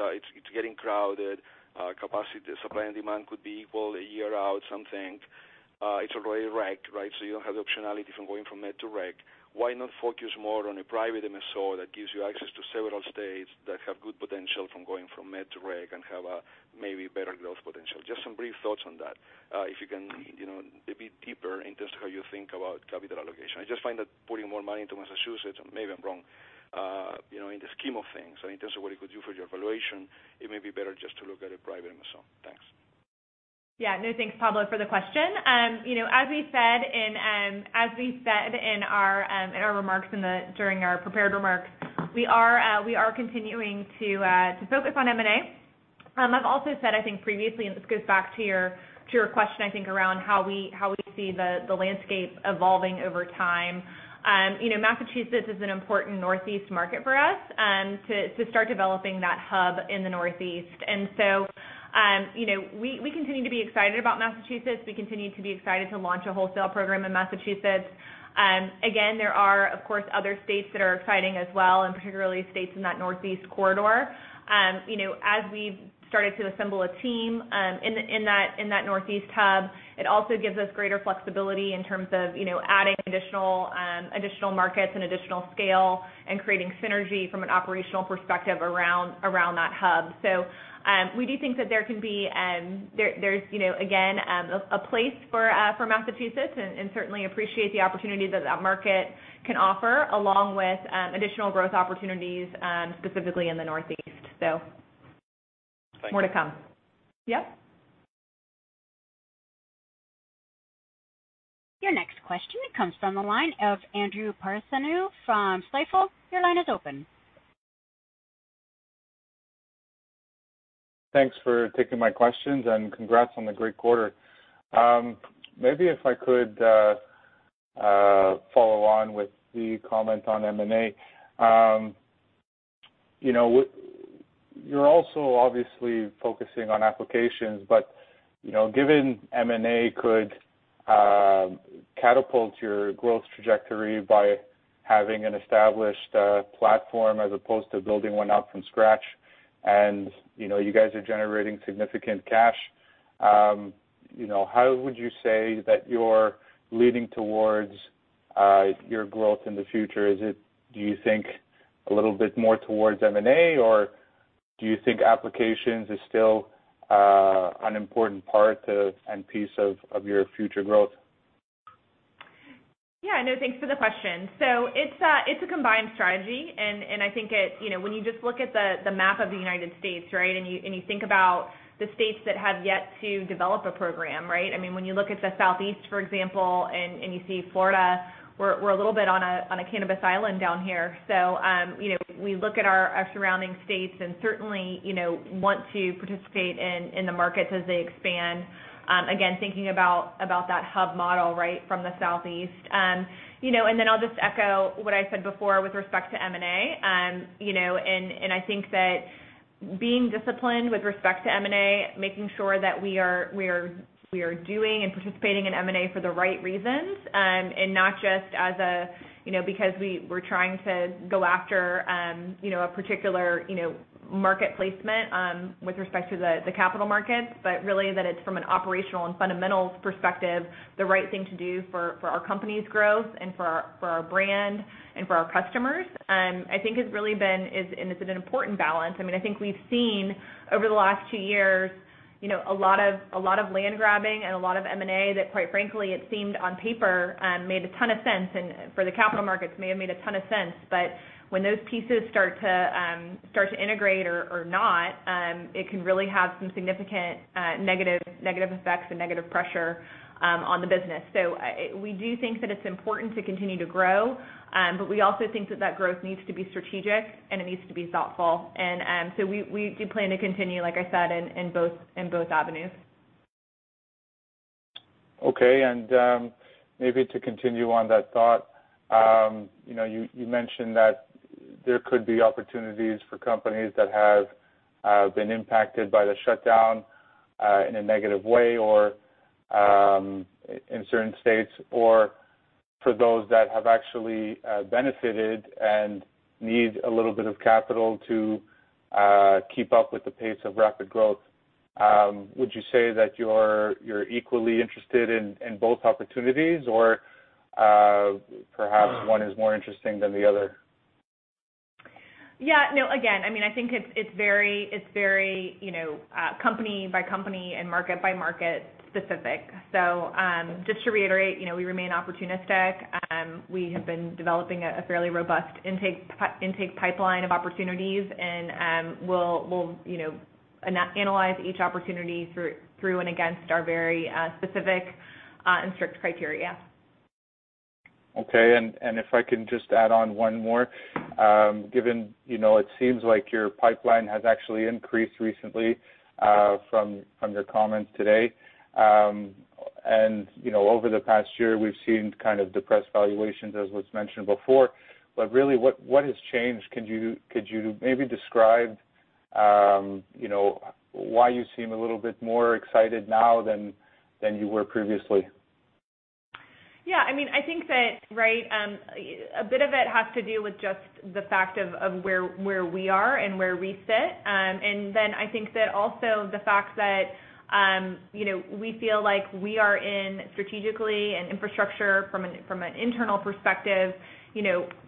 getting crowded. Capacity, supply and demand could be equal a year out, some think. It's already rec, right? You don't have the optionality from going from med to rec. Why not focus more on a private MSO that gives you access to several states that have good potential from going from med to rec and have a maybe better growth potential? Just some brief thoughts on that. If you can, a bit deeper in terms of how you think about capital allocation. I just find that putting more money into Massachusetts, and maybe I'm wrong, in the scheme of things, in terms of what it could do for your valuation, it may be better just to look at a private MSO. Thanks. No, thanks, Pablo, for the question. As we said in our remarks during our prepared remarks, we are continuing to focus on M&A. I've also said, I think previously, and this goes back to your question, I think, around how we see the landscape evolving over time. Massachusetts is an important Northeast market for us to start developing that hub in the Northeast. We continue to be excited about Massachusetts. We continue to be excited to launch a wholesale program in Massachusetts. There are, of course, other states that are exciting as well, and particularly states in that Northeast corridor. As we've started to assemble a team in that Northeast hub, it also gives us greater flexibility in terms of adding additional markets and additional scale and creating synergy from an operational perspective around that hub. We do think that there's, again, a place for Massachusetts and certainly appreciate the opportunity that that market can offer, along with additional growth opportunities, specifically in the Northeast. More to come. Yep. Your next question comes from the line of Andrew Partheniou from Stifel. Your line is open. Thanks for taking my questions, and congrats on the great quarter. Maybe if I could follow on with the comment on M&A. You're also obviously focusing on applications, but given M&A could catapult your growth trajectory by having an established platform as opposed to building one out from scratch, and you guys are generating significant cash, how would you say that you're leaning towards your growth in the future? Is it, do you think, a little bit more towards M&A, or do you think applications is still an important part of and piece of your future growth? Yeah. No, thanks for the question. It's a combined strategy, and I think when you just look at the map of the U.S., right, and you think about the states that have yet to develop a program, right? When you look at the Southeast, for example, and you see Florida, we're a little bit on a cannabis island down here. We look at our surrounding states and certainly want to participate in the markets as they expand. Again, thinking about that hub model right from the Southeast. I'll just echo what I said before with respect to M&A. I think that being disciplined with respect to M&A, making sure that we are doing and participating in M&A for the right reasons, and not just because we were trying to go after a particular market placement with respect to the capital markets, but really that it's from an operational and fundamentals perspective, the right thing to do for our company's growth and for our brand and for our customers, I think has really been, and it's an important balance. I think we've seen over the last two years a lot of land grabbing and a lot of M&A that, quite frankly, it seemed on paper made a ton of sense, and for the capital markets may have made a ton of sense, but when those pieces start to integrate or not, it can really have some significant negative effects and negative pressure on the business. We do think that it's important to continue to grow, but we also think that that growth needs to be strategic and it needs to be thoughtful. We do plan to continue, like I said, in both avenues. Okay, maybe to continue on that thought, you mentioned that there could be opportunities for companies that have been impacted by the shutdown in a negative way in certain states, or for those that have actually benefited and need a little bit of capital to keep up with the pace of rapid growth. Would you say that you're equally interested in both opportunities, or perhaps one is more interesting than the other? Again, I think it's very company by company and market by market specific. Just to reiterate, we remain opportunistic. We have been developing a fairly robust intake pipeline of opportunities, and we'll analyze each opportunity through and against our very specific and strict criteria. If I can just add on one more. Given it seems like your pipeline has actually increased recently from your comments today. Over the past year, we've seen depressed valuations, as was mentioned before, but really, what has changed? Could you maybe describe why you seem a little bit more excited now than you were previously? Yeah, I think that, right, a bit of it has to do with just the fact of where we are and where we sit. I think that also the fact that we feel like we are in strategically and infrastructure from an internal perspective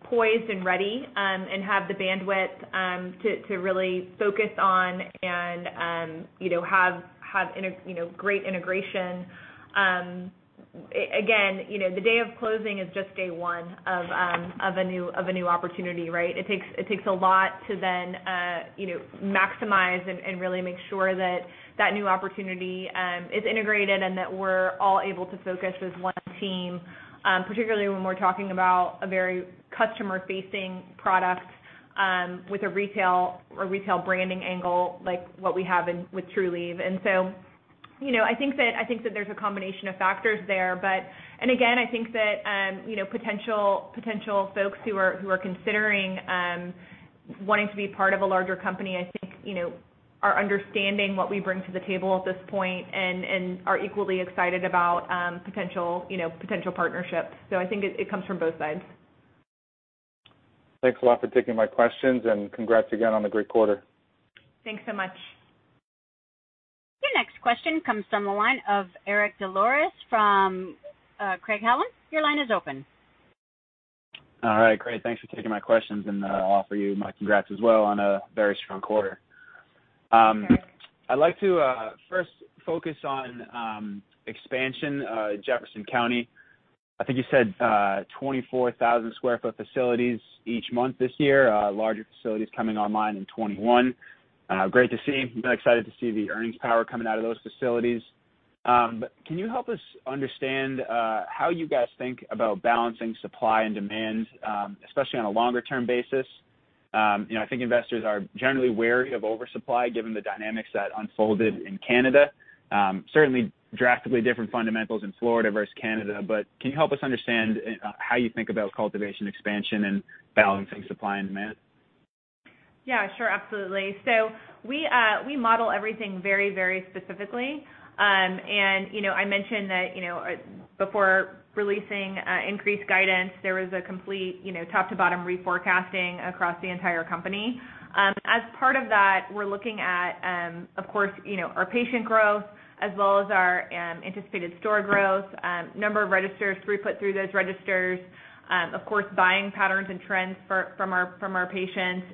poised and ready, and have the bandwidth to really focus on and have great integration. Again, the day of closing is just day one of a new opportunity, right? It takes a lot to then maximize and really make sure that that new opportunity is integrated and that we're all able to focus as one team, particularly when we're talking about a very customer-facing product with a retail branding angle like what we have with Trulieve. I think that there's a combination of factors there. Again, I think that potential folks who are considering wanting to be part of a larger company, I think, are understanding what we bring to the table at this point and are equally excited about potential partnerships. I think it comes from both sides. Thanks a lot for taking my questions and congrats again on the great quarter. Thanks so much. Your next question comes from the line of Eric Des Lauriers from Craig-Hallum. Your line is open. All right. Great. Thanks for taking my questions, and I'll offer you my congrats as well on a very strong quarter. I'd like to first focus on expansion, Jefferson County. I think you said 24,000 sq ft facilities each month this year, larger facilities coming online in 2021. Great to see. I'm excited to see the earnings power coming out of those facilities. Can you help us understand how you guys think about balancing supply and demand, especially on a longer-term basis? I think investors are generally wary of oversupply given the dynamics that unfolded in Canada. Certainly drastically different fundamentals in Florida versus Canada, can you help us understand how you think about cultivation expansion and balancing supply and demand? Yeah, sure. Absolutely. We model everything very specifically. I mentioned that before releasing increased guidance, there was a complete top-to-bottom reforecasting across the entire company. As part of that, we're looking at, of course, our patient growth as well as our anticipated store growth, number of registers, throughput through those registers, of course, buying patterns and trends from our patients.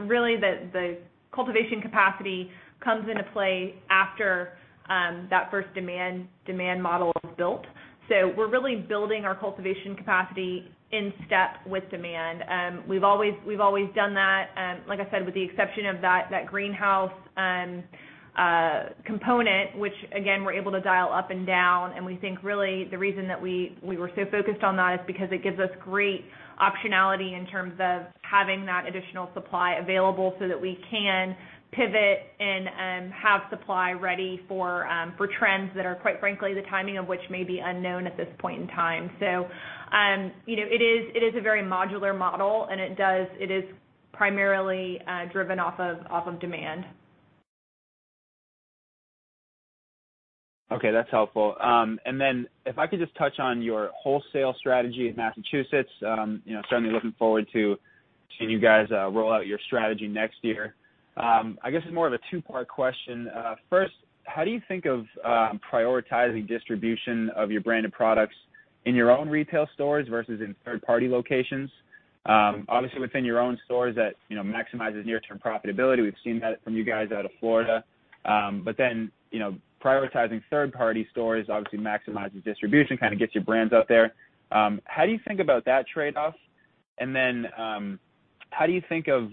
Really, the cultivation capacity comes into play after that first demand model is built. We're really building our cultivation capacity in step with demand. We've always done that, like I said, with the exception of that greenhouse component, which again, we're able to dial up and down. We think really the reason that we were so focused on that is because it gives us great optionality in terms of having that additional supply available so that we can pivot and have supply ready for trends that are, quite frankly, the timing of which may be unknown at this point in time. It is a very modular model, and it is primarily driven off of demand. Okay, that's helpful. If I could just touch on your wholesale strategy in Massachusetts, certainly looking forward to seeing you guys roll out your strategy next year. I guess it's more of a two-part question. First, how do you think of prioritizing distribution of your branded products in your own retail stores versus in third-party locations? Obviously, within your own stores, that maximizes near-term profitability. We've seen that from you guys out of Florida. Prioritizing third-party stores obviously maximizes distribution, kind of gets your brands out there. How do you think about that trade-off? How do you think of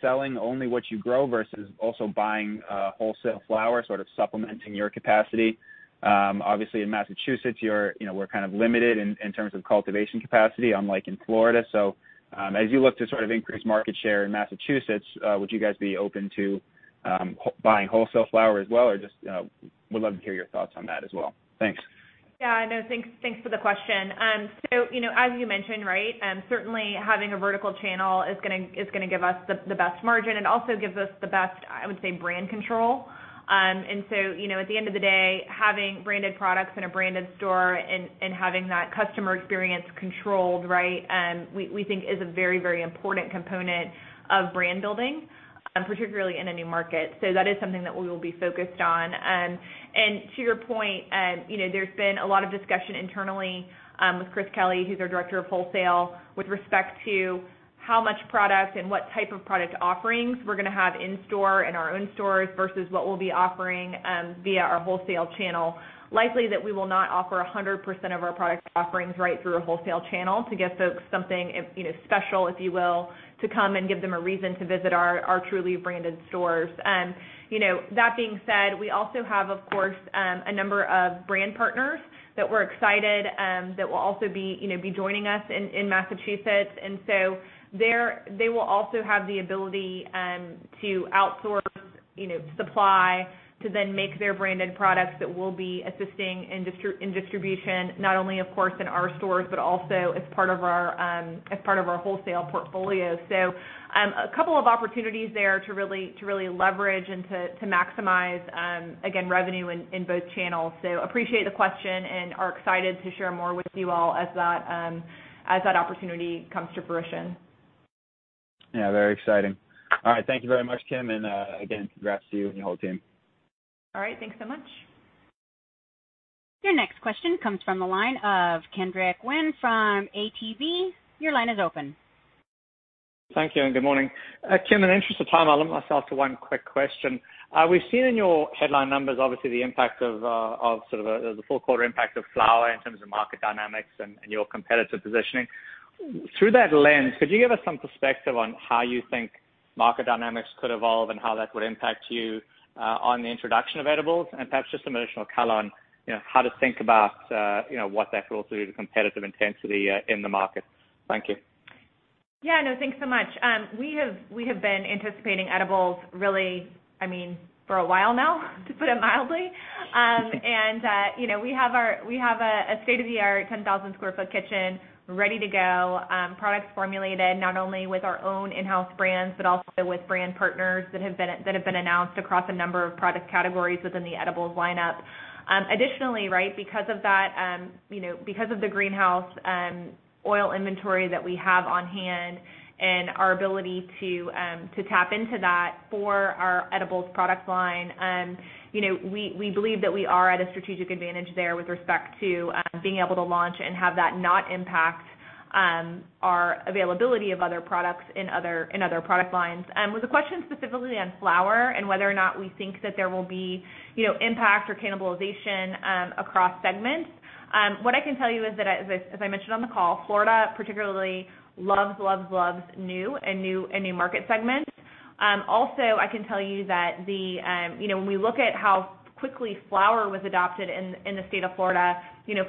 selling only what you grow versus also buying wholesale flower, sort of supplementing your capacity? Obviously, in Massachusetts, we're kind of limited in terms of cultivation capacity, unlike in Florida. As you look to sort of increase market share in Massachusetts, would you guys be open to buying wholesale flower as well? Would love to hear your thoughts on that as well. Thanks. Yeah. No, thanks for the question. As you mentioned, certainly having a vertical channel is going to give us the best margin and also gives us the best, I would say, brand control. At the end of the day, having branded products in a branded store and having that customer experience controlled, we think is a very important component of brand building, particularly in a new market. That is something that we will be focused on. To your point, there's been a lot of discussion internally with Chris Kelly, who's our Director of Wholesale, with respect to how much product and what type of product offerings we're going to have in store in our own stores versus what we'll be offering via our wholesale channel. Likely that we will not offer 100% of our product offerings right through a wholesale channel to give folks something special, if you will, to come and give them a reason to visit our Trulieve branded stores. That being said, we also have, of course, a number of brand partners that we're excited that will also be joining us in Massachusetts. They will also have the ability to outsource supply to then make their branded products that we'll be assisting in distribution, not only, of course, in our stores, but also as part of our wholesale portfolio. A couple of opportunities there to really leverage and to maximize, again, revenue in both channels. Appreciate the question and are excited to share more with you all as that opportunity comes to fruition. Yeah, very exciting. All right. Thank you very much, Kim, again, congrats to you and your whole team. All right. Thanks so much. Your next question comes from the line of Kenric Tyghe from ATB. Your line is open. Thank you. Good morning. Kim, in the interest of time, I'll limit myself to one quick question. We've seen in your headline numbers, obviously the full quarter impact of flower in terms of market dynamics and your competitive positioning. Through that lens, could you give us some perspective on how you think market dynamics could evolve and how that would impact you on the introduction of edibles? Perhaps just some additional color on how to think about what that will do to competitive intensity in the market. Thank you. Yeah. No, thanks so much. We have been anticipating edibles really, I mean, for a while now, to put it mildly. We have a state-of-the-art 10,000 sq ft kitchen ready to go. Products formulated not only with our own in-house brands, but also with brand partners that have been announced across a number of product categories within the edibles lineup. Additionally, because of the greenhouse oil inventory that we have on hand and our ability to tap into that for our edibles product line, we believe that we are at a strategic advantage there with respect to being able to launch and have that not impact our availability of other products in other product lines. Was the question specifically on flower and whether or not we think that there will be impact or cannibalization across segments? What I can tell you is that, as I mentioned on the call, Florida particularly loves new and new market segments. I can tell you that when we look at how quickly flower was adopted in the state of Florida,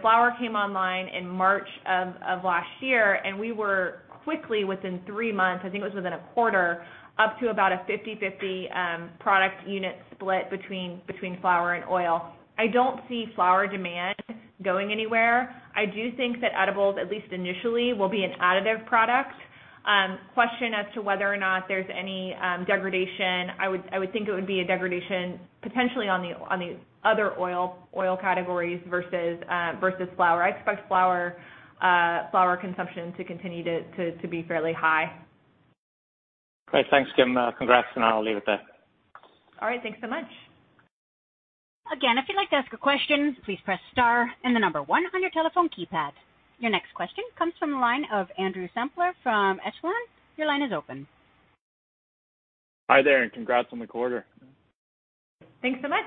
flower came online in March of last year, and we were quickly, within three months, I think it was within a quarter, up to about a 50/50 product unit split between flower and oil. I don't see flower demand going anywhere. I do think that edibles, at least initially, will be an additive product. Question as to whether or not there's any degradation, I would think it would be a degradation potentially on the other oil categories versus flower. I expect flower consumption to continue to be fairly high. Great. Thanks, Kim. Congrats, and I'll leave it there. All right. Thanks so much. Again, if you'd like to ask a question, please press star and the number one on your telephone keypad. Your next question comes from the line of Andrew Semple from Echelon. Your line is open. Hi there, congrats on the quarter. Thanks so much.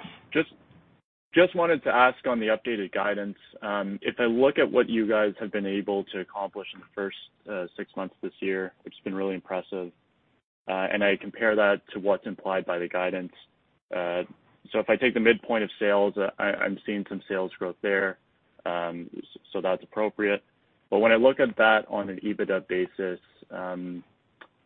Just wanted to ask on the updated guidance. If I look at what you guys have been able to accomplish in the first six months this year, which has been really impressive, and I compare that to what's implied by the guidance. If I take the midpoint of sales, I'm seeing some sales growth there, so that's appropriate. When I look at that on an EBITDA basis,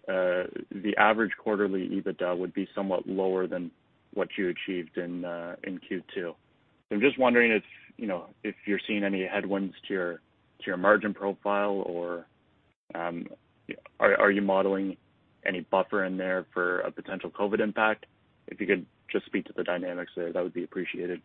the average quarterly EBITDA would be somewhat lower than what you achieved in Q2. I'm just wondering if you're seeing any headwinds to your margin profile, or are you modeling any buffer in there for a potential COVID impact? If you could just speak to the dynamics there, that would be appreciated.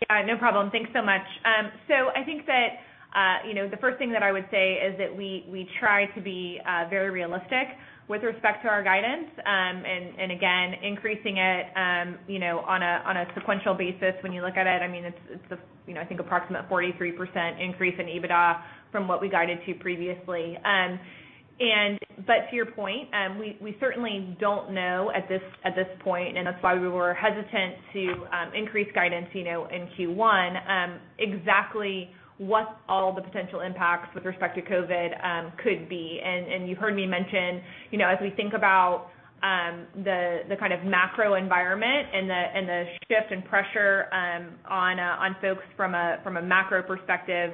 Yeah, no problem. Thanks so much. I think that the first thing that I would say is that we try to be very realistic with respect to our guidance. Again, increasing it on a sequential basis, when you look at it's I think approximate 43% increase in EBITDA from what we guided to previously. To your point, we certainly don't know at this point, and that's why we were hesitant to increase guidance in Q1, exactly what all the potential impacts with respect to COVID could be. You heard me mention, as we think about the kind of macro environment and the shift in pressure on folks from a macro perspective,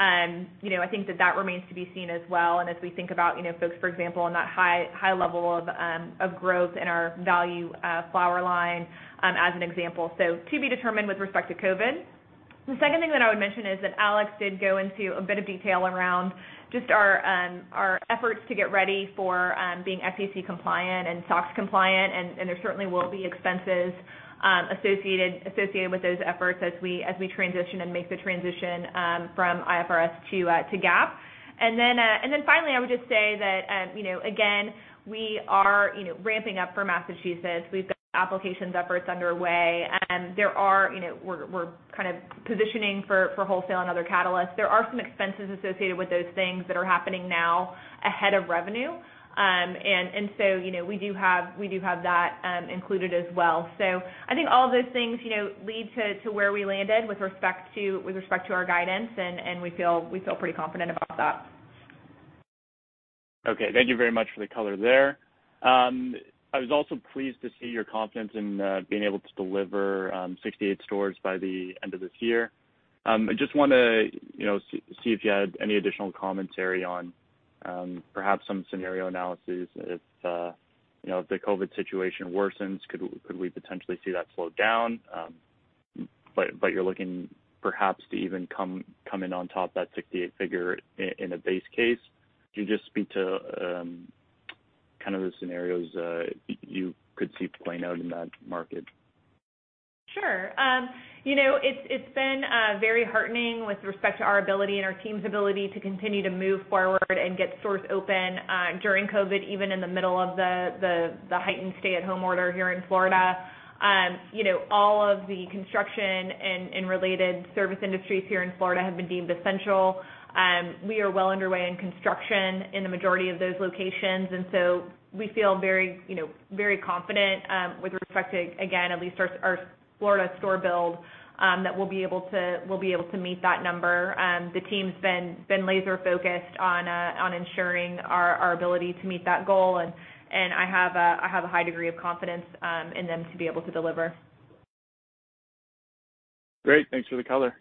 I think that that remains to be seen as well. As we think about folks, for example, on that high level of growth in our value flower line, as an example. To be determined with respect to COVID. The second thing that I would mention is that Alex did go into a bit of detail around just our efforts to get ready for being SEC compliant and SOX compliant, and there certainly will be expenses associated with those efforts as we transition and make the transition from IFRS to GAAP. Finally, I would just say that, again, we are ramping up for Massachusetts. We've got applications efforts underway. We're kind of positioning for wholesale and other catalysts. There are some expenses associated with those things that are happening now ahead of revenue. We do have that included as well. I think all of those things lead to where we landed with respect to our guidance, and we feel pretty confident about that. Okay. Thank you very much for the color there. I was also pleased to see your confidence in being able to deliver 68 stores by the end of this year. I just want to see if you had any additional commentary on perhaps some scenario analysis. If the COVID situation worsens, could we potentially see that slow down? You're looking perhaps to even come in on top of that 68 figure in a base case. Could you just speak to kind of the scenarios you could see playing out in that market? Sure. It's been very heartening with respect to our ability and our team's ability to continue to move forward and get stores open during COVID, even in the middle of the heightened stay-at-home order here in Florida. All of the construction and related service industries here in Florida have been deemed essential. We are well underway in construction in the majority of those locations. We feel very confident, with respect to, again, at least our Florida store build, that we'll be able to meet that number. The team's been laser-focused on ensuring our ability to meet that goal. I have a high degree of confidence in them to be able to deliver. Great. Thanks for the color.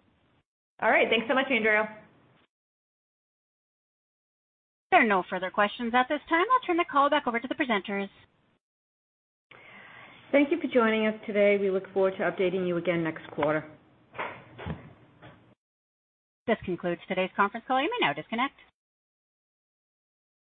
All right. Thanks so much, Andrew. There are no further questions at this time. I'll turn the call back over to the presenters. Thank you for joining us today. We look forward to updating you again next quarter. This concludes today's conference call. You may now disconnect.